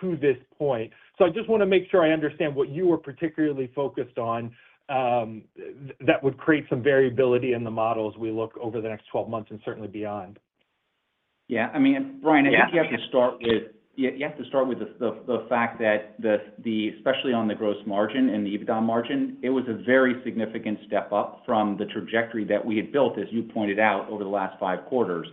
to this point. So I just wanna make sure I understand what you are particularly focused on, that would create some variability in the model as we look over the next 12 months and certainly beyond. Yeah, I mean, Brian, I think you have to start with the fact that the... Especially on the gross margin and the EBITDA margin, it was a very significant step up from the trajectory that we had built, as you pointed out, over the last five quarters.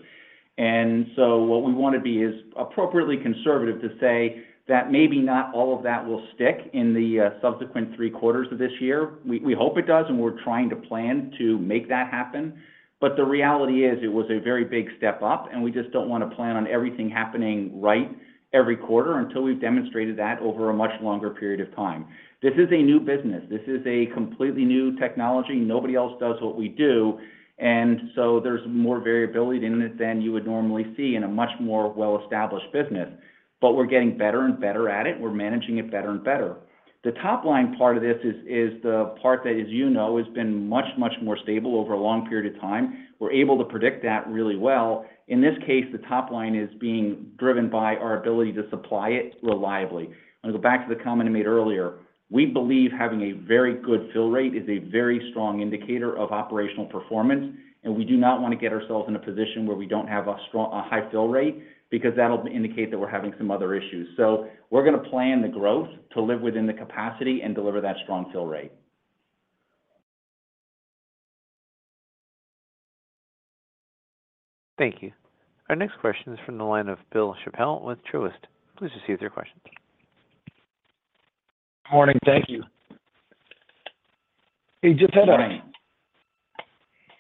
And so what we wanna be is appropriately conservative to say that maybe not all of that will stick in the subsequent three quarters of this year. We hope it does, and we're trying to plan to make that happen. But the reality is, it was a very big step up, and we just don't wanna plan on everything happening right every quarter until we've demonstrated that over a much longer period of time. This is a new business. This is a completely new technology. Nobody else does what we do, and so there's more variability in this than you would normally see in a much more well-established business. But we're getting better and better at it. We're managing it better and better. The top-line part of this is, is the part that, as you know, has been much, much more stable over a long period of time. We're able to predict that really well. In this case, the top line is being driven by our ability to supply it reliably. And to go back to the comment I made earlier, we believe having a very good fill rate is a very strong indicator of operational performance, and we do not wanna get ourselves in a position where we don't have a strong, a high fill rate, because that'll indicate that we're having some other issues. We're gonna plan the growth to live within the capacity and deliver that strong fill rate. Thank you. Our next question is from the line of Bill Chappell with Truist. Please proceed with your question. Morning. Thank you. Hey, Gentlemen, Morning.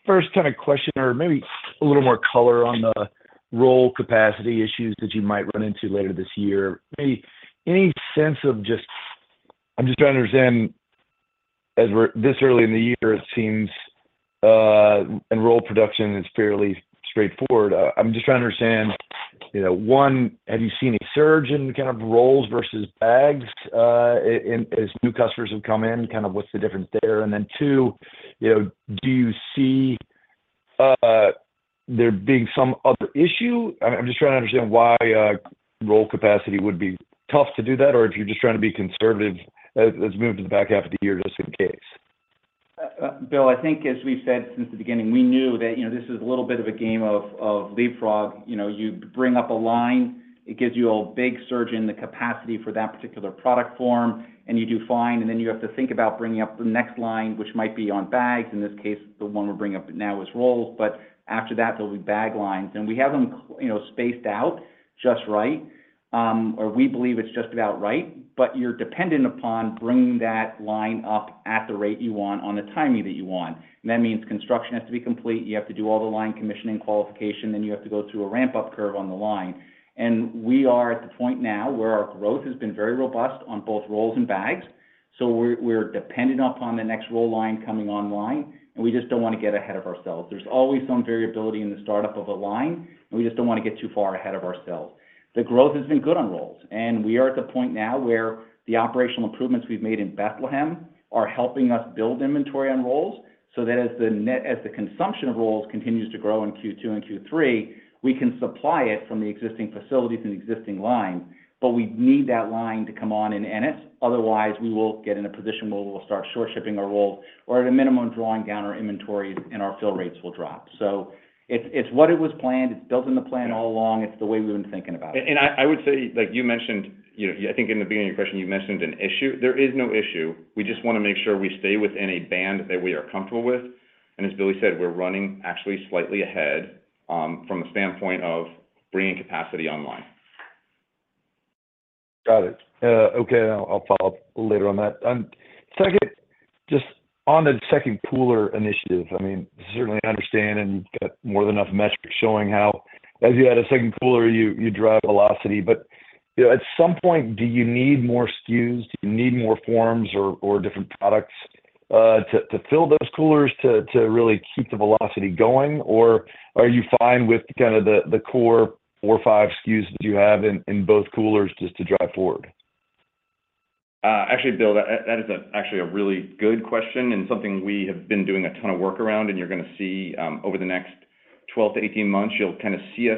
First kind of question or maybe a little more color on the roll capacity issues that you might run into later this year. Any sense of just... I'm just trying to understand, as we're this early in the year, it seems, and roll production is fairly straightforward. I'm just trying to understand, you know, one, have you seen a surge in kind of rolls versus bags, in as new customers have come in, kind of what's the difference there? And then, two, you know, do you see there being some other issue? I'm just trying to understand why roll capacity would be tough to do that, or if you're just trying to be conservative as we move to the back half of the year, just in case. Bill, I think as we've said since the beginning, we knew that, you know, this is a little bit of a game of leapfrog. You know, you bring up a line, it gives you a big surge in the capacity for that particular product form, and you do fine. And then you have to think about bringing up the next line, which might be on bags. In this case, the one we're bringing up now is rolls, but after that, there'll be bag lines. And we have them, you know, spaced out just right, or we believe it's just about right. But you're dependent upon bringing that line up at the rate you want on the timing that you want. That means construction has to be complete, you have to do all the line commissioning qualification, then you have to go through a ramp-up curve on the line. We are at the point now where our growth has been very robust on both rolls and bags, so we're, we're dependent upon the next roll line coming online, and we just don't wanna get ahead of ourselves. There's always some variability in the startup of a line, and we just don't wanna get too far ahead of ourselves. The growth has been good on rolls, and we are at the point now where the operational improvements we've made in Bethlehem are helping us build inventory on rolls, so that as the consumption of rolls continues to grow in Q2 and Q3, we can supply it from the existing facilities and existing lines, but we need that line to come on in Ennis. Otherwise, we will get in a position where we'll start short-shipping our rolls, or at a minimum, drawing down our inventory and our fill rates will drop. So it's what it was planned. It's built in the plan all along. It's the way we've been thinking about it. I would say, like you mentioned, you know, I think in the beginning of your question, you mentioned an issue. There is no issue. We just wanna make sure we stay within a band that we are comfortable with. And as Billy said, we're running actually slightly ahead, from the standpoint of bringing capacity online. Got it. Okay, I'll, I'll follow up later on that. Second, just on the second cooler initiative, I mean, certainly understand and got more than enough metrics showing how as you add a second cooler, you, you drive velocity. But, you know, at some point, do you need more SKUs? Do you need more forms or, or different products, to, to fill those coolers to, to really keep the velocity going? Or are you fine with kind of the, the core four, five SKUs that you have in, in both coolers just to drive forward? Actually, Bill, that is actually a really good question and something we have been doing a ton of work around, and you're gonna see, over the next 12-18 months, you'll kind of see us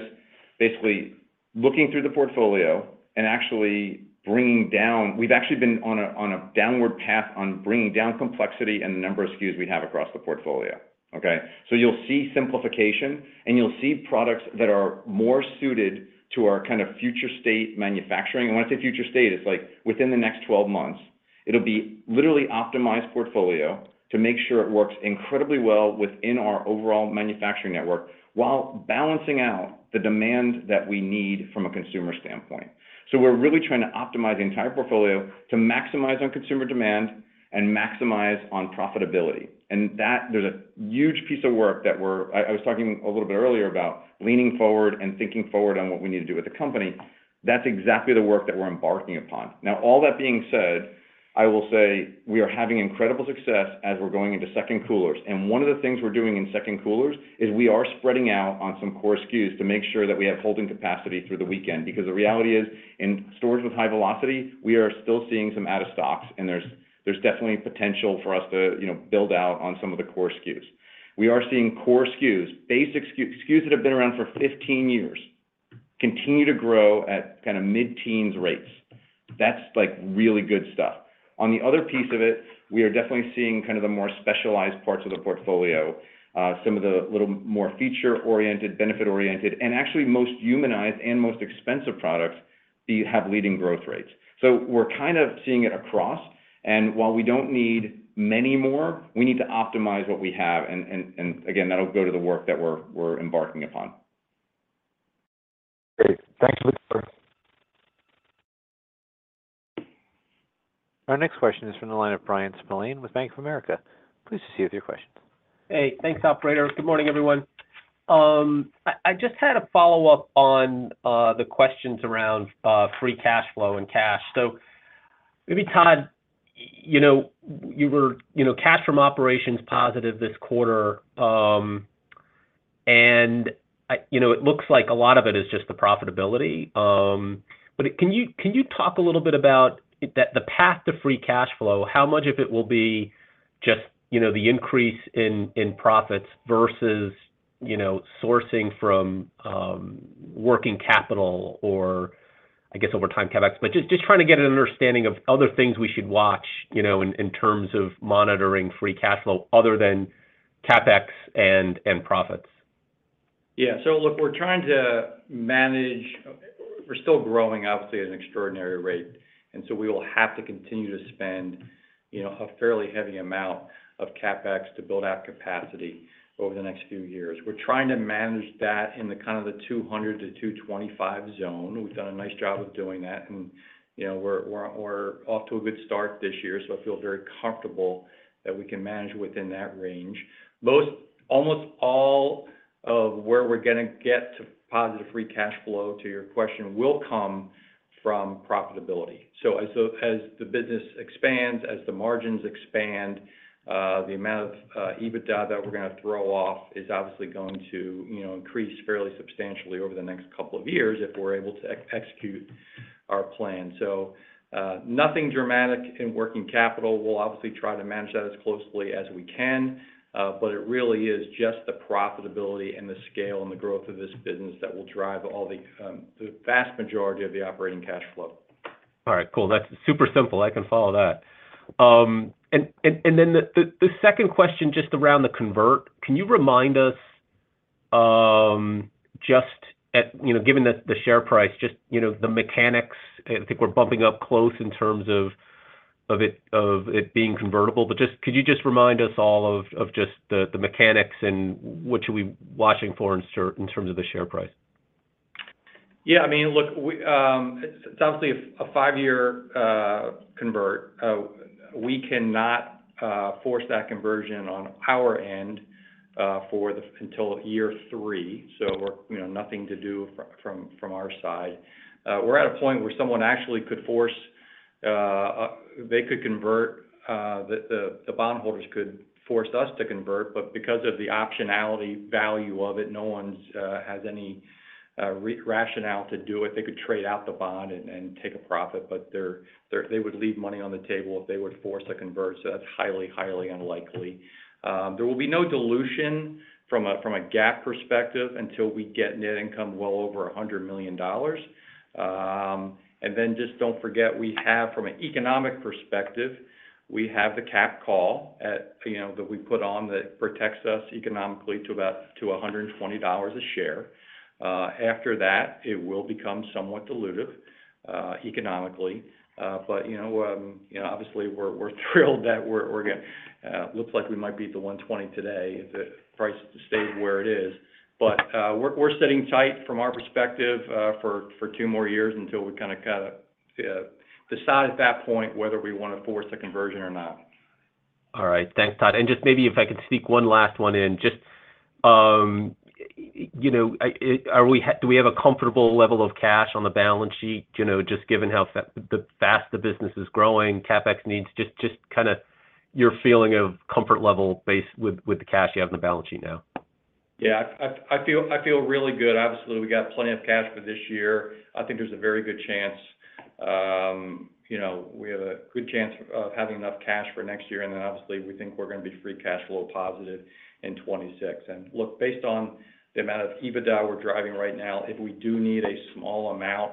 basically-... looking through the portfolio and actually bringing down—we've actually been on a downward path on bringing down complexity and the number of SKUs we have across the portfolio, okay? So you'll see simplification, and you'll see products that are more suited to our kind of future state manufacturing. And when I say future state, it's like within the next 12 months. It'll be literally optimized portfolio to make sure it works incredibly well within our overall manufacturing network, while balancing out the demand that we need from a consumer standpoint. So we're really trying to optimize the entire portfolio to maximize on consumer demand and maximize on profitability. And that, there's a huge piece of work that we're—I was talking a little bit earlier about leaning forward and thinking forward on what we need to do with the company. That's exactly the work that we're embarking upon. Now, all that being said, I will say we are having incredible success as we're going into second coolers. And one of the things we're doing in second coolers is we are spreading out on some core SKUs to make sure that we have holding capacity through the weekend, because the reality is, in stores with high velocity, we are still seeing some out-of-stocks, and there's definitely potential for us to, you know, build out on some of the core SKUs. We are seeing core SKUs, basic SKUs, SKUs that have been around for 15 years, continue to grow at kinda mid-teens rates. That's like really good stuff. On the other piece of it, we are definitely seeing kind of the more specialized parts of the portfolio, some of the little more feature-oriented, benefit-oriented, and actually most humanized and most expensive products, do have leading growth rates. So we're kind of seeing it across, and while we don't need many more, we need to optimize what we have, and again, that'll go to the work that we're embarking upon. Great. Thanks for the tour. Our next question is from the line of Brian Spillane with Bank of America. Please proceed with your question. Hey, thanks, operator. Good morning, everyone. I just had a follow-up on the questions around free cash flow and cash. So maybe, Todd, you know, you were you know, cash from operations positive this quarter, and you know, it looks like a lot of it is just the profitability, but can you talk a little bit about the path to free cash flow? How much of it will be just, you know, the increase in profits versus, you know, sourcing from working capital or I guess over time CapEx? But just trying to get an understanding of other things we should watch, you know, in terms of monitoring free cash flow other than CapEx and profits. Yeah. So look, we're trying to manage. We're still growing, obviously, at an extraordinary rate, and so we will have to continue to spend, you know, a fairly heavy amount of CapEx to build out capacity over the next few years. We're trying to manage that in the kind of the $200-$225 zone. We've done a nice job of doing that, and, you know, we're off to a good start this year, so I feel very comfortable that we can manage within that range. Most, almost all of where we're gonna get to positive free cash flow, to your question, will come from profitability. So as the business expands, as the margins expand, the amount of EBITDA that we're gonna throw off is obviously going to, you know, increase fairly substantially over the next couple of years if we're able to execute our plan. So, nothing dramatic in working capital. We'll obviously try to manage that as closely as we can, but it really is just the profitability and the scale and the growth of this business that will drive all the vast majority of the operating cash flow. All right, cool. That's super simple. I can follow that. And then the second question, just around the convert, can you remind us, just, you know, given the share price, just, you know, the mechanics? I think we're bumping up close in terms of it being convertible. But could you just remind us all of just the mechanics and what should we watching for in certain terms of the share price? Yeah, I mean, look, we... It's obviously a five-year convert. We cannot force that conversion on our end until year three, so we're, you know, nothing to do from our side. We're at a point where someone actually could force, they could convert, the bondholders could force us to convert, but because of the optionality value of it, no one's has any rationale to do it. They could trade out the bond and take a profit, but they would leave money on the table if they were forced to convert, so that's highly unlikely. There will be no dilution from a GAAP perspective until we get net income well over $100 million. And then just don't forget, we have, from an economic perspective, we have the cap call at, you know, that we put on that protects us economically to about 120 dollars a share. After that, it will become somewhat dilutive, economically. But, you know, obviously, we're thrilled that we're gonna. Looks like we might be at the 120 today, if the price stays where it is. But, we're sitting tight from our perspective, for two more years until we kinda decide at that point whether we wanna force a conversion or not. All right. Thanks, Todd. And just maybe if I could sneak one last one in, just, you know, do we have a comfortable level of cash on the balance sheet, you know, just given how fast the business is growing, CapEx needs, just, just kinda your feeling of comfort level based with, with the cash you have on the balance sheet now? Yeah. I feel really good. Obviously, we got plenty of cash for this year. I think there's a very good chance-... you know, we have a good chance of having enough cash for next year, and then obviously, we think we're gonna be free cash flow positive in 2026. And look, based on the amount of EBITDA we're driving right now, if we do need a small amount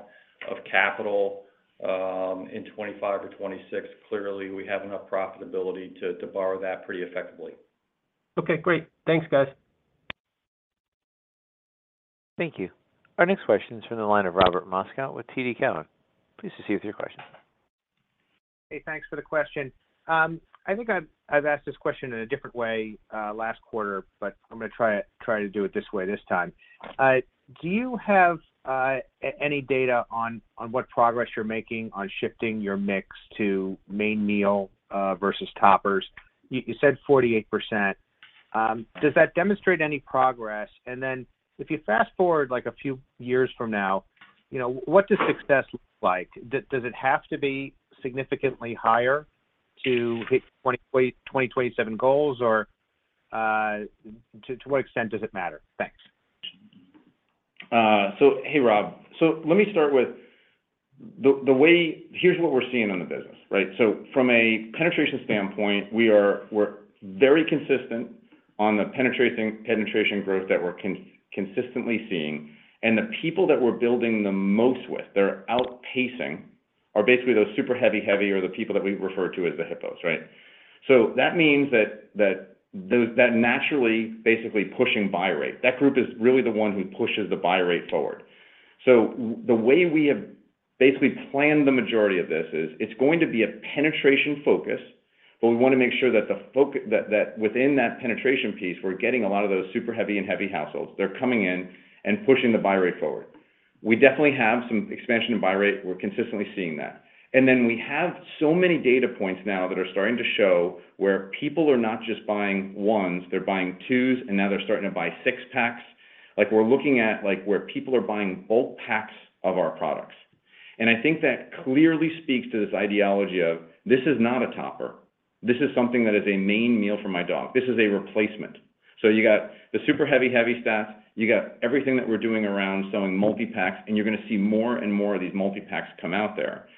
of capital in 2025 or 2026, clearly we have enough profitability to borrow that pretty effectively. Okay, great. Thanks, guys. Thank you. Our next question is from the line of Robert Moskow with TD Cowen. Please proceed with your question. Hey, thanks for the question. I think I've asked this question in a different way last quarter, but I'm gonna try to do it this way, this time. Do you have any data on what progress you're making on shifting your mix to main meal versus toppers? You said 48%. Does that demonstrate any progress? And then if you fast-forward, like, a few years from now, you know, what does success look like? Does it have to be significantly higher to hit 2027 goals? Or to what extent does it matter? Thanks. So hey, Rob. So let me start with the way. Here's what we're seeing on the business, right? So from a penetration standpoint, we're very consistent on the penetration growth that we're consistently seeing. And the people that we're building the most with, that are outpacing, are basically those super heavy or heavy or the people that we refer to as the HIPPOs, right? So that means that those naturally basically pushing buy rate. That group is really the one who pushes the buy rate forward. So the way we have basically planned the majority of this is, it's going to be a penetration focus, but we wanna make sure that within that penetration piece, we're getting a lot of those super heavy and heavy households. They're coming in and pushing the buy rate forward. We definitely have some expansion in buy rate. We're consistently seeing that. And then we have so many data points now that are starting to show where people are not just buying 1s, they're buying 2s, and now they're starting to buy 6-packs. Like, we're looking at, like, where people are buying bulk packs of our products. And I think that clearly speaks to this ideology of, this is not a topper. This is something that is a main meal for my dog. This is a replacement. So you got the super heavy, heavy stats, you got everything that we're doing around selling multi-packs, and you're gonna see more and more of these multi-packs come out there.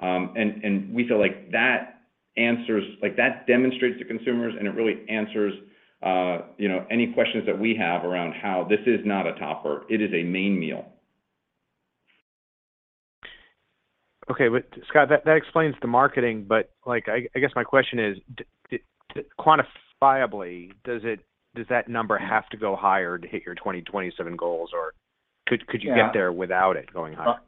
And we feel like that answers—like, that demonstrates to consumers, and it really answers, you know, any questions that we have around how this is not a topper, it is a main meal. Okay, but Scott, that explains the marketing, but like, I guess my question is, quantifiably, does it, does that number have to go higher to hit your 2027 goals, or could- Yeah... could you get there without it going higher?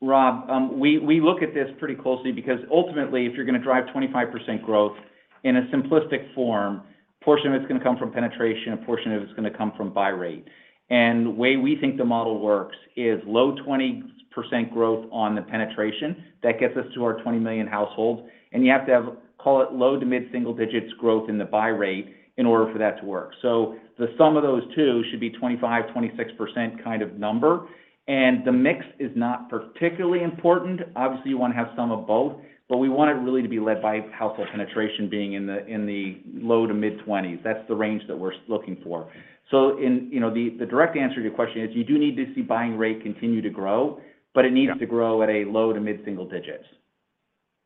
Rob, we look at this pretty closely because ultimately, if you're gonna drive 25% growth in a simplistic form, a portion of it's gonna come from penetration, a portion of it's gonna come from buy rate. And the way we think the model works is low 20% growth on the penetration, that gets us to our 20 million households, and you have to have, call it, low to mid single digits growth in the buy rate in order for that to work. So the sum of those two should be 25-26% kind of number. And the mix is not particularly important. Obviously, you wanna have some of both, but we want it really to be led by household penetration being in the, in the low to mid-20s. That's the range that we're looking for. So in... You know, the direct answer to your question is, you do need to see buying rate continue to grow- Yeah... but it needs to grow at a low to mid-single digits.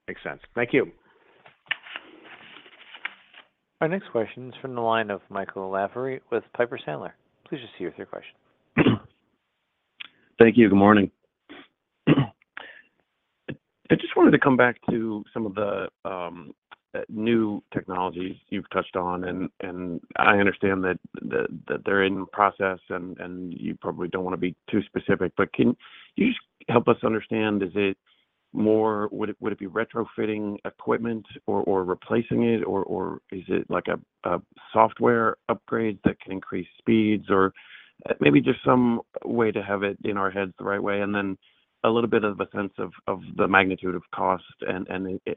Makes sense. Thank you. Our next question is from the line of Michael Lavery with Piper Sandler. Please go ahead with your question. Thank you. Good morning. I just wanted to come back to some of the new technologies you've touched on, and I understand that they're in process and you probably don't wanna be too specific, but can you just help us understand, is it more... Would it be retrofitting equipment or replacing it, or is it like a software upgrade that can increase speeds? Or maybe just some way to have it in our heads the right way, and then a little bit of a sense of the magnitude of cost, and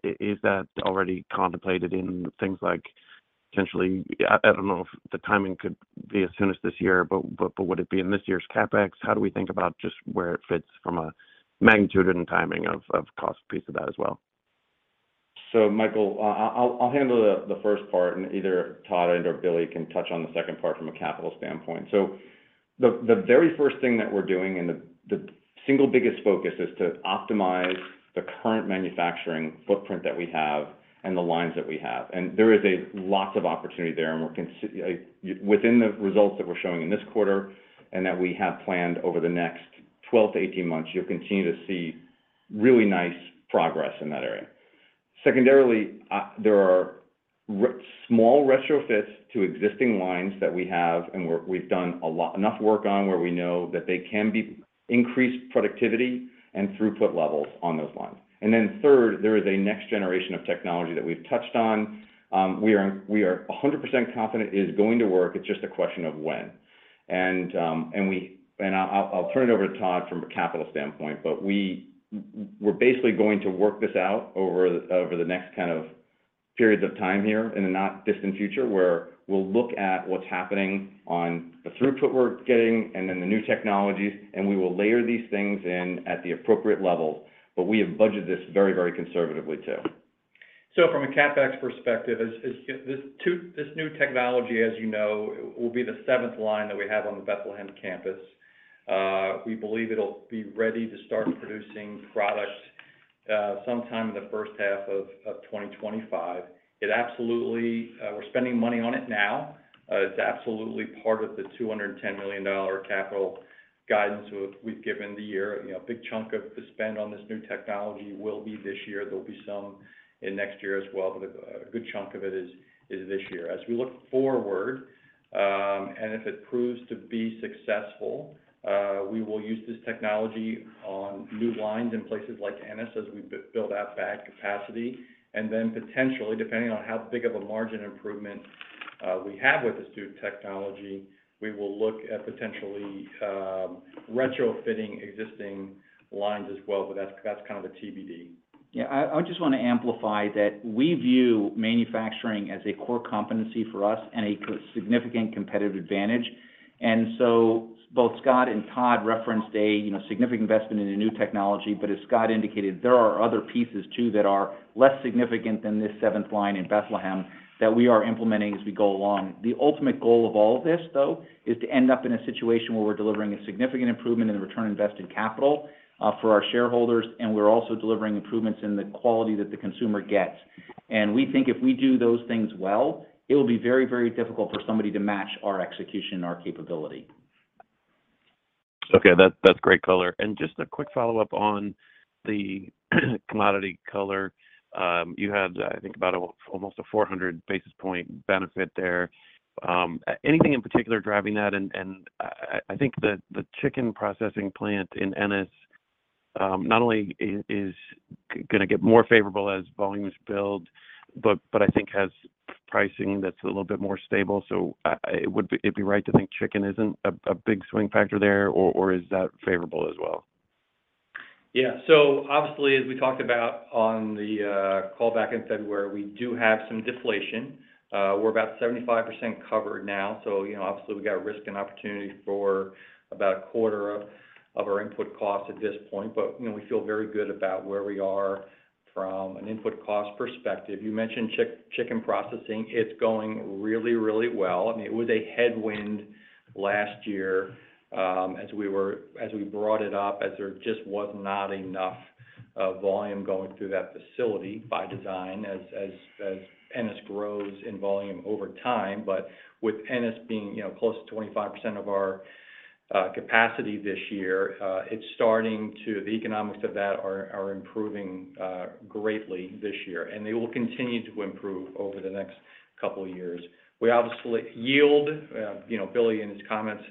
is that already contemplated in things like, potentially, I don't know if the timing could be as soon as this year, but would it be in this year's CapEx? How do we think about just where it fits from a magnitude and timing of cost piece of that as well? So, Michael, I'll handle the first part, and either Todd or Billy can touch on the second part from a capital standpoint. So the very first thing that we're doing, and the single biggest focus, is to optimize the current manufacturing footprint that we have and the lines that we have. And there is a lot of opportunity there, and we're within the results that we're showing in this quarter and that we have planned over the next 12-18 months, you'll continue to see really nice progress in that area. Secondarily, there are small retrofits to existing lines that we have and we've done a lot of work on, where we know that they can be increased productivity and throughput levels on those lines. And then third, there is a next generation of technology that we've touched on. We are 100% confident it is going to work. It's just a question of when. And I'll turn it over to Todd from a capital standpoint, but we're basically going to work this out over the next kind of periods of time here, in the not-distant future, where we'll look at what's happening on the throughput we're getting and then the new technologies, and we will layer these things in at the appropriate level, but we have budgeted this very, very conservatively, too.... So from a CapEx perspective, as this new technology, as you know, will be the seventh line that we have on the Bethlehem campus. We believe it'll be ready to start producing product sometime in the first half of 2025. It absolutely, we're spending money on it now. It's absolutely part of the $210 million capital guidance we've given the year. You know, a big chunk of the spend on this new technology will be this year. There'll be some in next year as well, but a good chunk of it is this year. As we look forward, and if it proves to be successful, we will use this technology on new lines in places like Ennis as we build out back capacity. And then potentially, depending on how big of a margin improvement we have with this new technology, we will look at potentially retrofitting existing lines as well, but that's kind of the TBD. Yeah. I just wanna amplify that we view manufacturing as a core competency for us and a significant competitive advantage. And so both Scott and Todd referenced a, you know, significant investment in a new technology. But as Scott indicated, there are other pieces too, that are less significant than this seventh line in Bethlehem, that we are implementing as we go along. The ultimate goal of all of this, though, is to end up in a situation where we're delivering a significant improvement in the return on invested capital for our shareholders, and we're also delivering improvements in the quality that the consumer gets. And we think if we do those things well, it will be very, very difficult for somebody to match our execution and our capability. Okay, that's great color. And just a quick follow-up on the commodity color. You had, I think, about almost a 400 basis point benefit there. Anything in particular driving that? And I think the chicken processing plant in Ennis not only is gonna get more favorable as volumes build, but I think has pricing that's a little bit more stable. So, would it be right to think chicken isn't a big swing factor there, or is that favorable as well? Yeah. So obviously, as we talked about on the call back in February, we do have some deflation. We're about 75% covered now, so, you know, obviously, we got risk and opportunity for about a quarter of our input costs at this point. But, you know, we feel very good about where we are from an input cost perspective. You mentioned chicken processing. It's going really, really well. I mean, it was a headwind last year, as we brought it up, as there just was not enough volume going through that facility by design, as Ennis grows in volume over time. But with Ennis being, you know, close to 25% of our capacity this year, it's starting to... The economics of that are improving greatly this year, and they will continue to improve over the next couple of years. We obviously yield you know Billy in his comments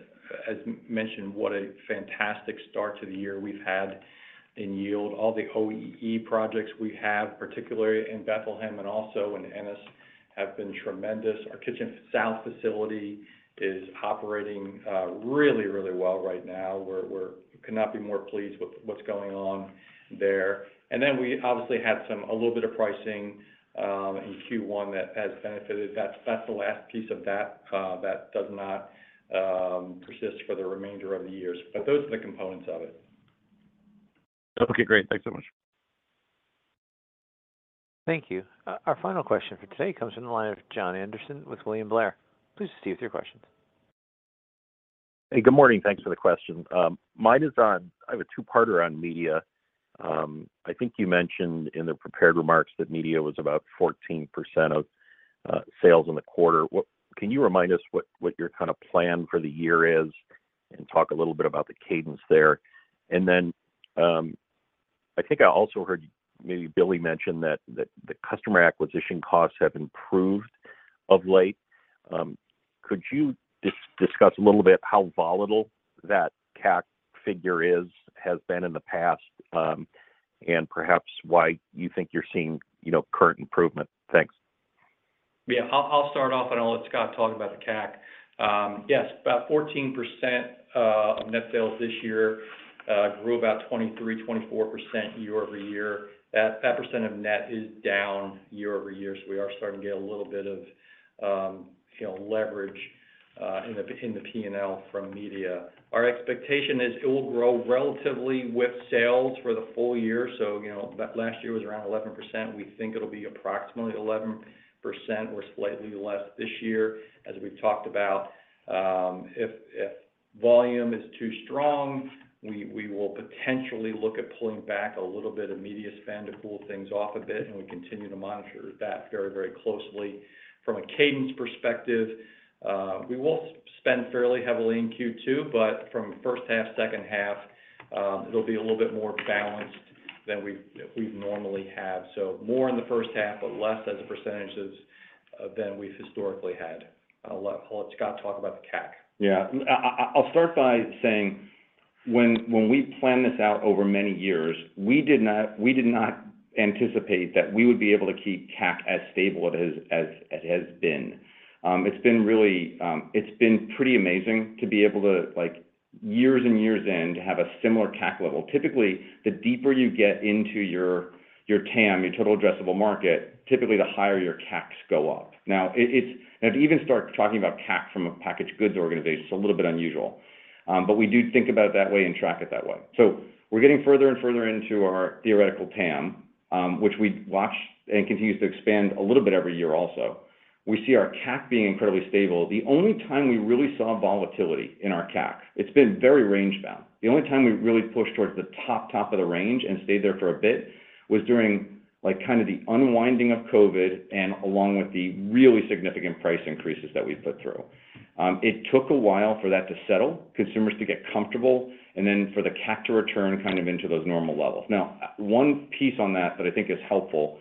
has mentioned what a fantastic start to the year we've had in yield. All the OEE projects we have particularly in Bethlehem and also in Ennis have been tremendous. Our Kitchen South facility is operating really really well right now. We're could not be more pleased with what's going on there. And then we obviously had some a little bit of pricing in Q1 that has benefited. That's the last piece of that that does not persist for the remainder of the years but those are the components of it. Okay, great. Thanks so much. Thank you. Our final question for today comes from the line of John Anderson with William Blair. Please proceed with your questions. Hey, good morning. Thanks for the questions. Mine is on... I have a two-parter on media. I think you mentioned in the prepared remarks that media was about 14% of, sales in the quarter. Can you remind us what, what your kind of plan for the year is, and talk a little bit about the cadence there? And then, I think I also heard maybe Billy mention that the customer acquisition costs have improved of late. Could you discuss a little bit how volatile that CAC figure is, has been in the past, and perhaps why you think you're seeing, you know, current improvement? Thanks. Yeah, I'll start off, and I'll let Scott talk about the CAC. Yes, about 14% of net sales this year grew about 23%-24% year-over-year. That percent of net is down year-over-year, so we are starting to get a little bit of, you know, leverage in the P&L from media. Our expectation is it will grow relatively with sales for the full year. So, you know, last year was around 11%. We think it'll be approximately 11% or slightly less this year. As we've talked about, if volume is too strong, we will potentially look at pulling back a little bit of media spend to cool things off a bit, and we continue to monitor that very, very closely. From a cadence perspective, we will spend fairly heavily in Q2, but from first half, second half, it'll be a little bit more balanced than we've normally have. So more in the first half, but less as a percentages than we've historically had. I'll let Scott talk about the CAC. Yeah. I'll start by saying, when we planned this out over many years, we did not anticipate that we would be able to keep CAC as stable as it has been. It's been really, it's been pretty amazing to be able to, like, years and years in, to have a similar CAC level. Typically, the deeper you get into your TAM, your total addressable market, typically the higher your CACs go up. Now, it's. Now, to even start talking about CAC from a packaged goods organization, it's a little bit unusual, but we do think about it that way and track it that way. So we're getting further and further into our theoretical TAM, which we watch and continues to expand a little bit every year also. We see our CAC being incredibly stable. The only time we really saw volatility in our CAC, it's been very range-bound. The only time we really pushed towards the top, top of the range and stayed there for a bit, was during, like, kind of the unwinding of COVID and along with the really significant price increases that we put through. It took a while for that to settle, consumers to get comfortable, and then for the CAC to return kind of into those normal levels. Now, one piece on that, that I think is helpful: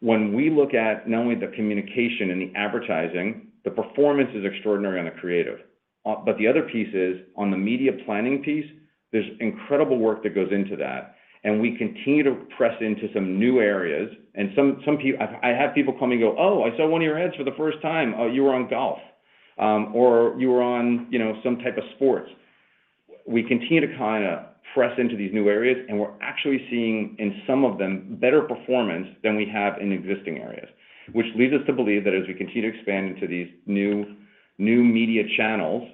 when we look at not only the communication and the advertising, the performance is extraordinary on the creative. But the other piece is, on the media planning piece, there's incredible work that goes into that, and we continue to press into some new areas. Some people—I have people come and go, "Oh, I saw one of your ads for the first time. Oh, you were on golf," or, "You were on, you know, some type of sports." We continue to kinda press into these new areas, and we're actually seeing, in some of them, better performance than we have in existing areas. Which leads us to believe that as we continue to expand into these new media channels,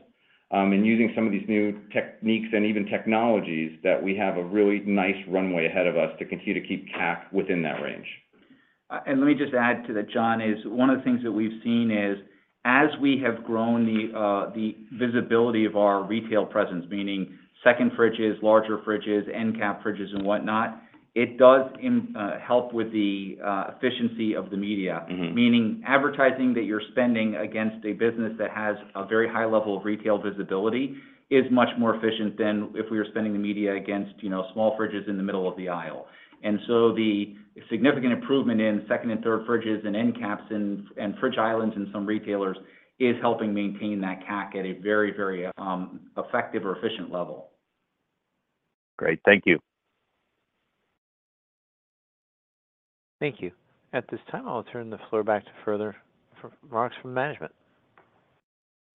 and using some of these new techniques and even technologies, that we have a really nice runway ahead of us to continue to keep CAC within that range. and let me just add to that, John, is one of the things that we've seen is, as we have grown the visibility of our retail presence, meaning second fridges, larger fridges, end cap fridges and whatnot, it does help with the efficiency of the media. Mm-hmm. Meaning advertising that you're spending against a business that has a very high level of retail visibility is much more efficient than if we were spending the media against, you know, small fridges in the middle of the aisle. And so the significant improvement in second and third fridges and end caps and fridge islands in some retailers is helping maintain that CAC at a very, very effective or efficient level. Great, thank you. Thank you. At this time, I'll turn the floor back to Heather for remarks from management.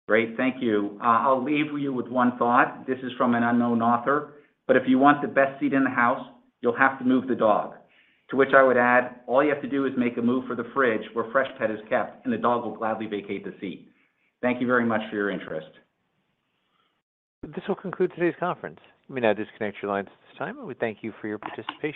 Great, thank you. I'll leave you with one thought. This is from an unknown author: "But if you want the best seat in the house, you'll have to move the dog." To which I would add, all you have to do is make a move for the fridge where Freshpet is kept, and the dog will gladly vacate the seat. Thank you very much for your interest. This will conclude today's conference. Let me now disconnect your lines at this time, and we thank you for your participation.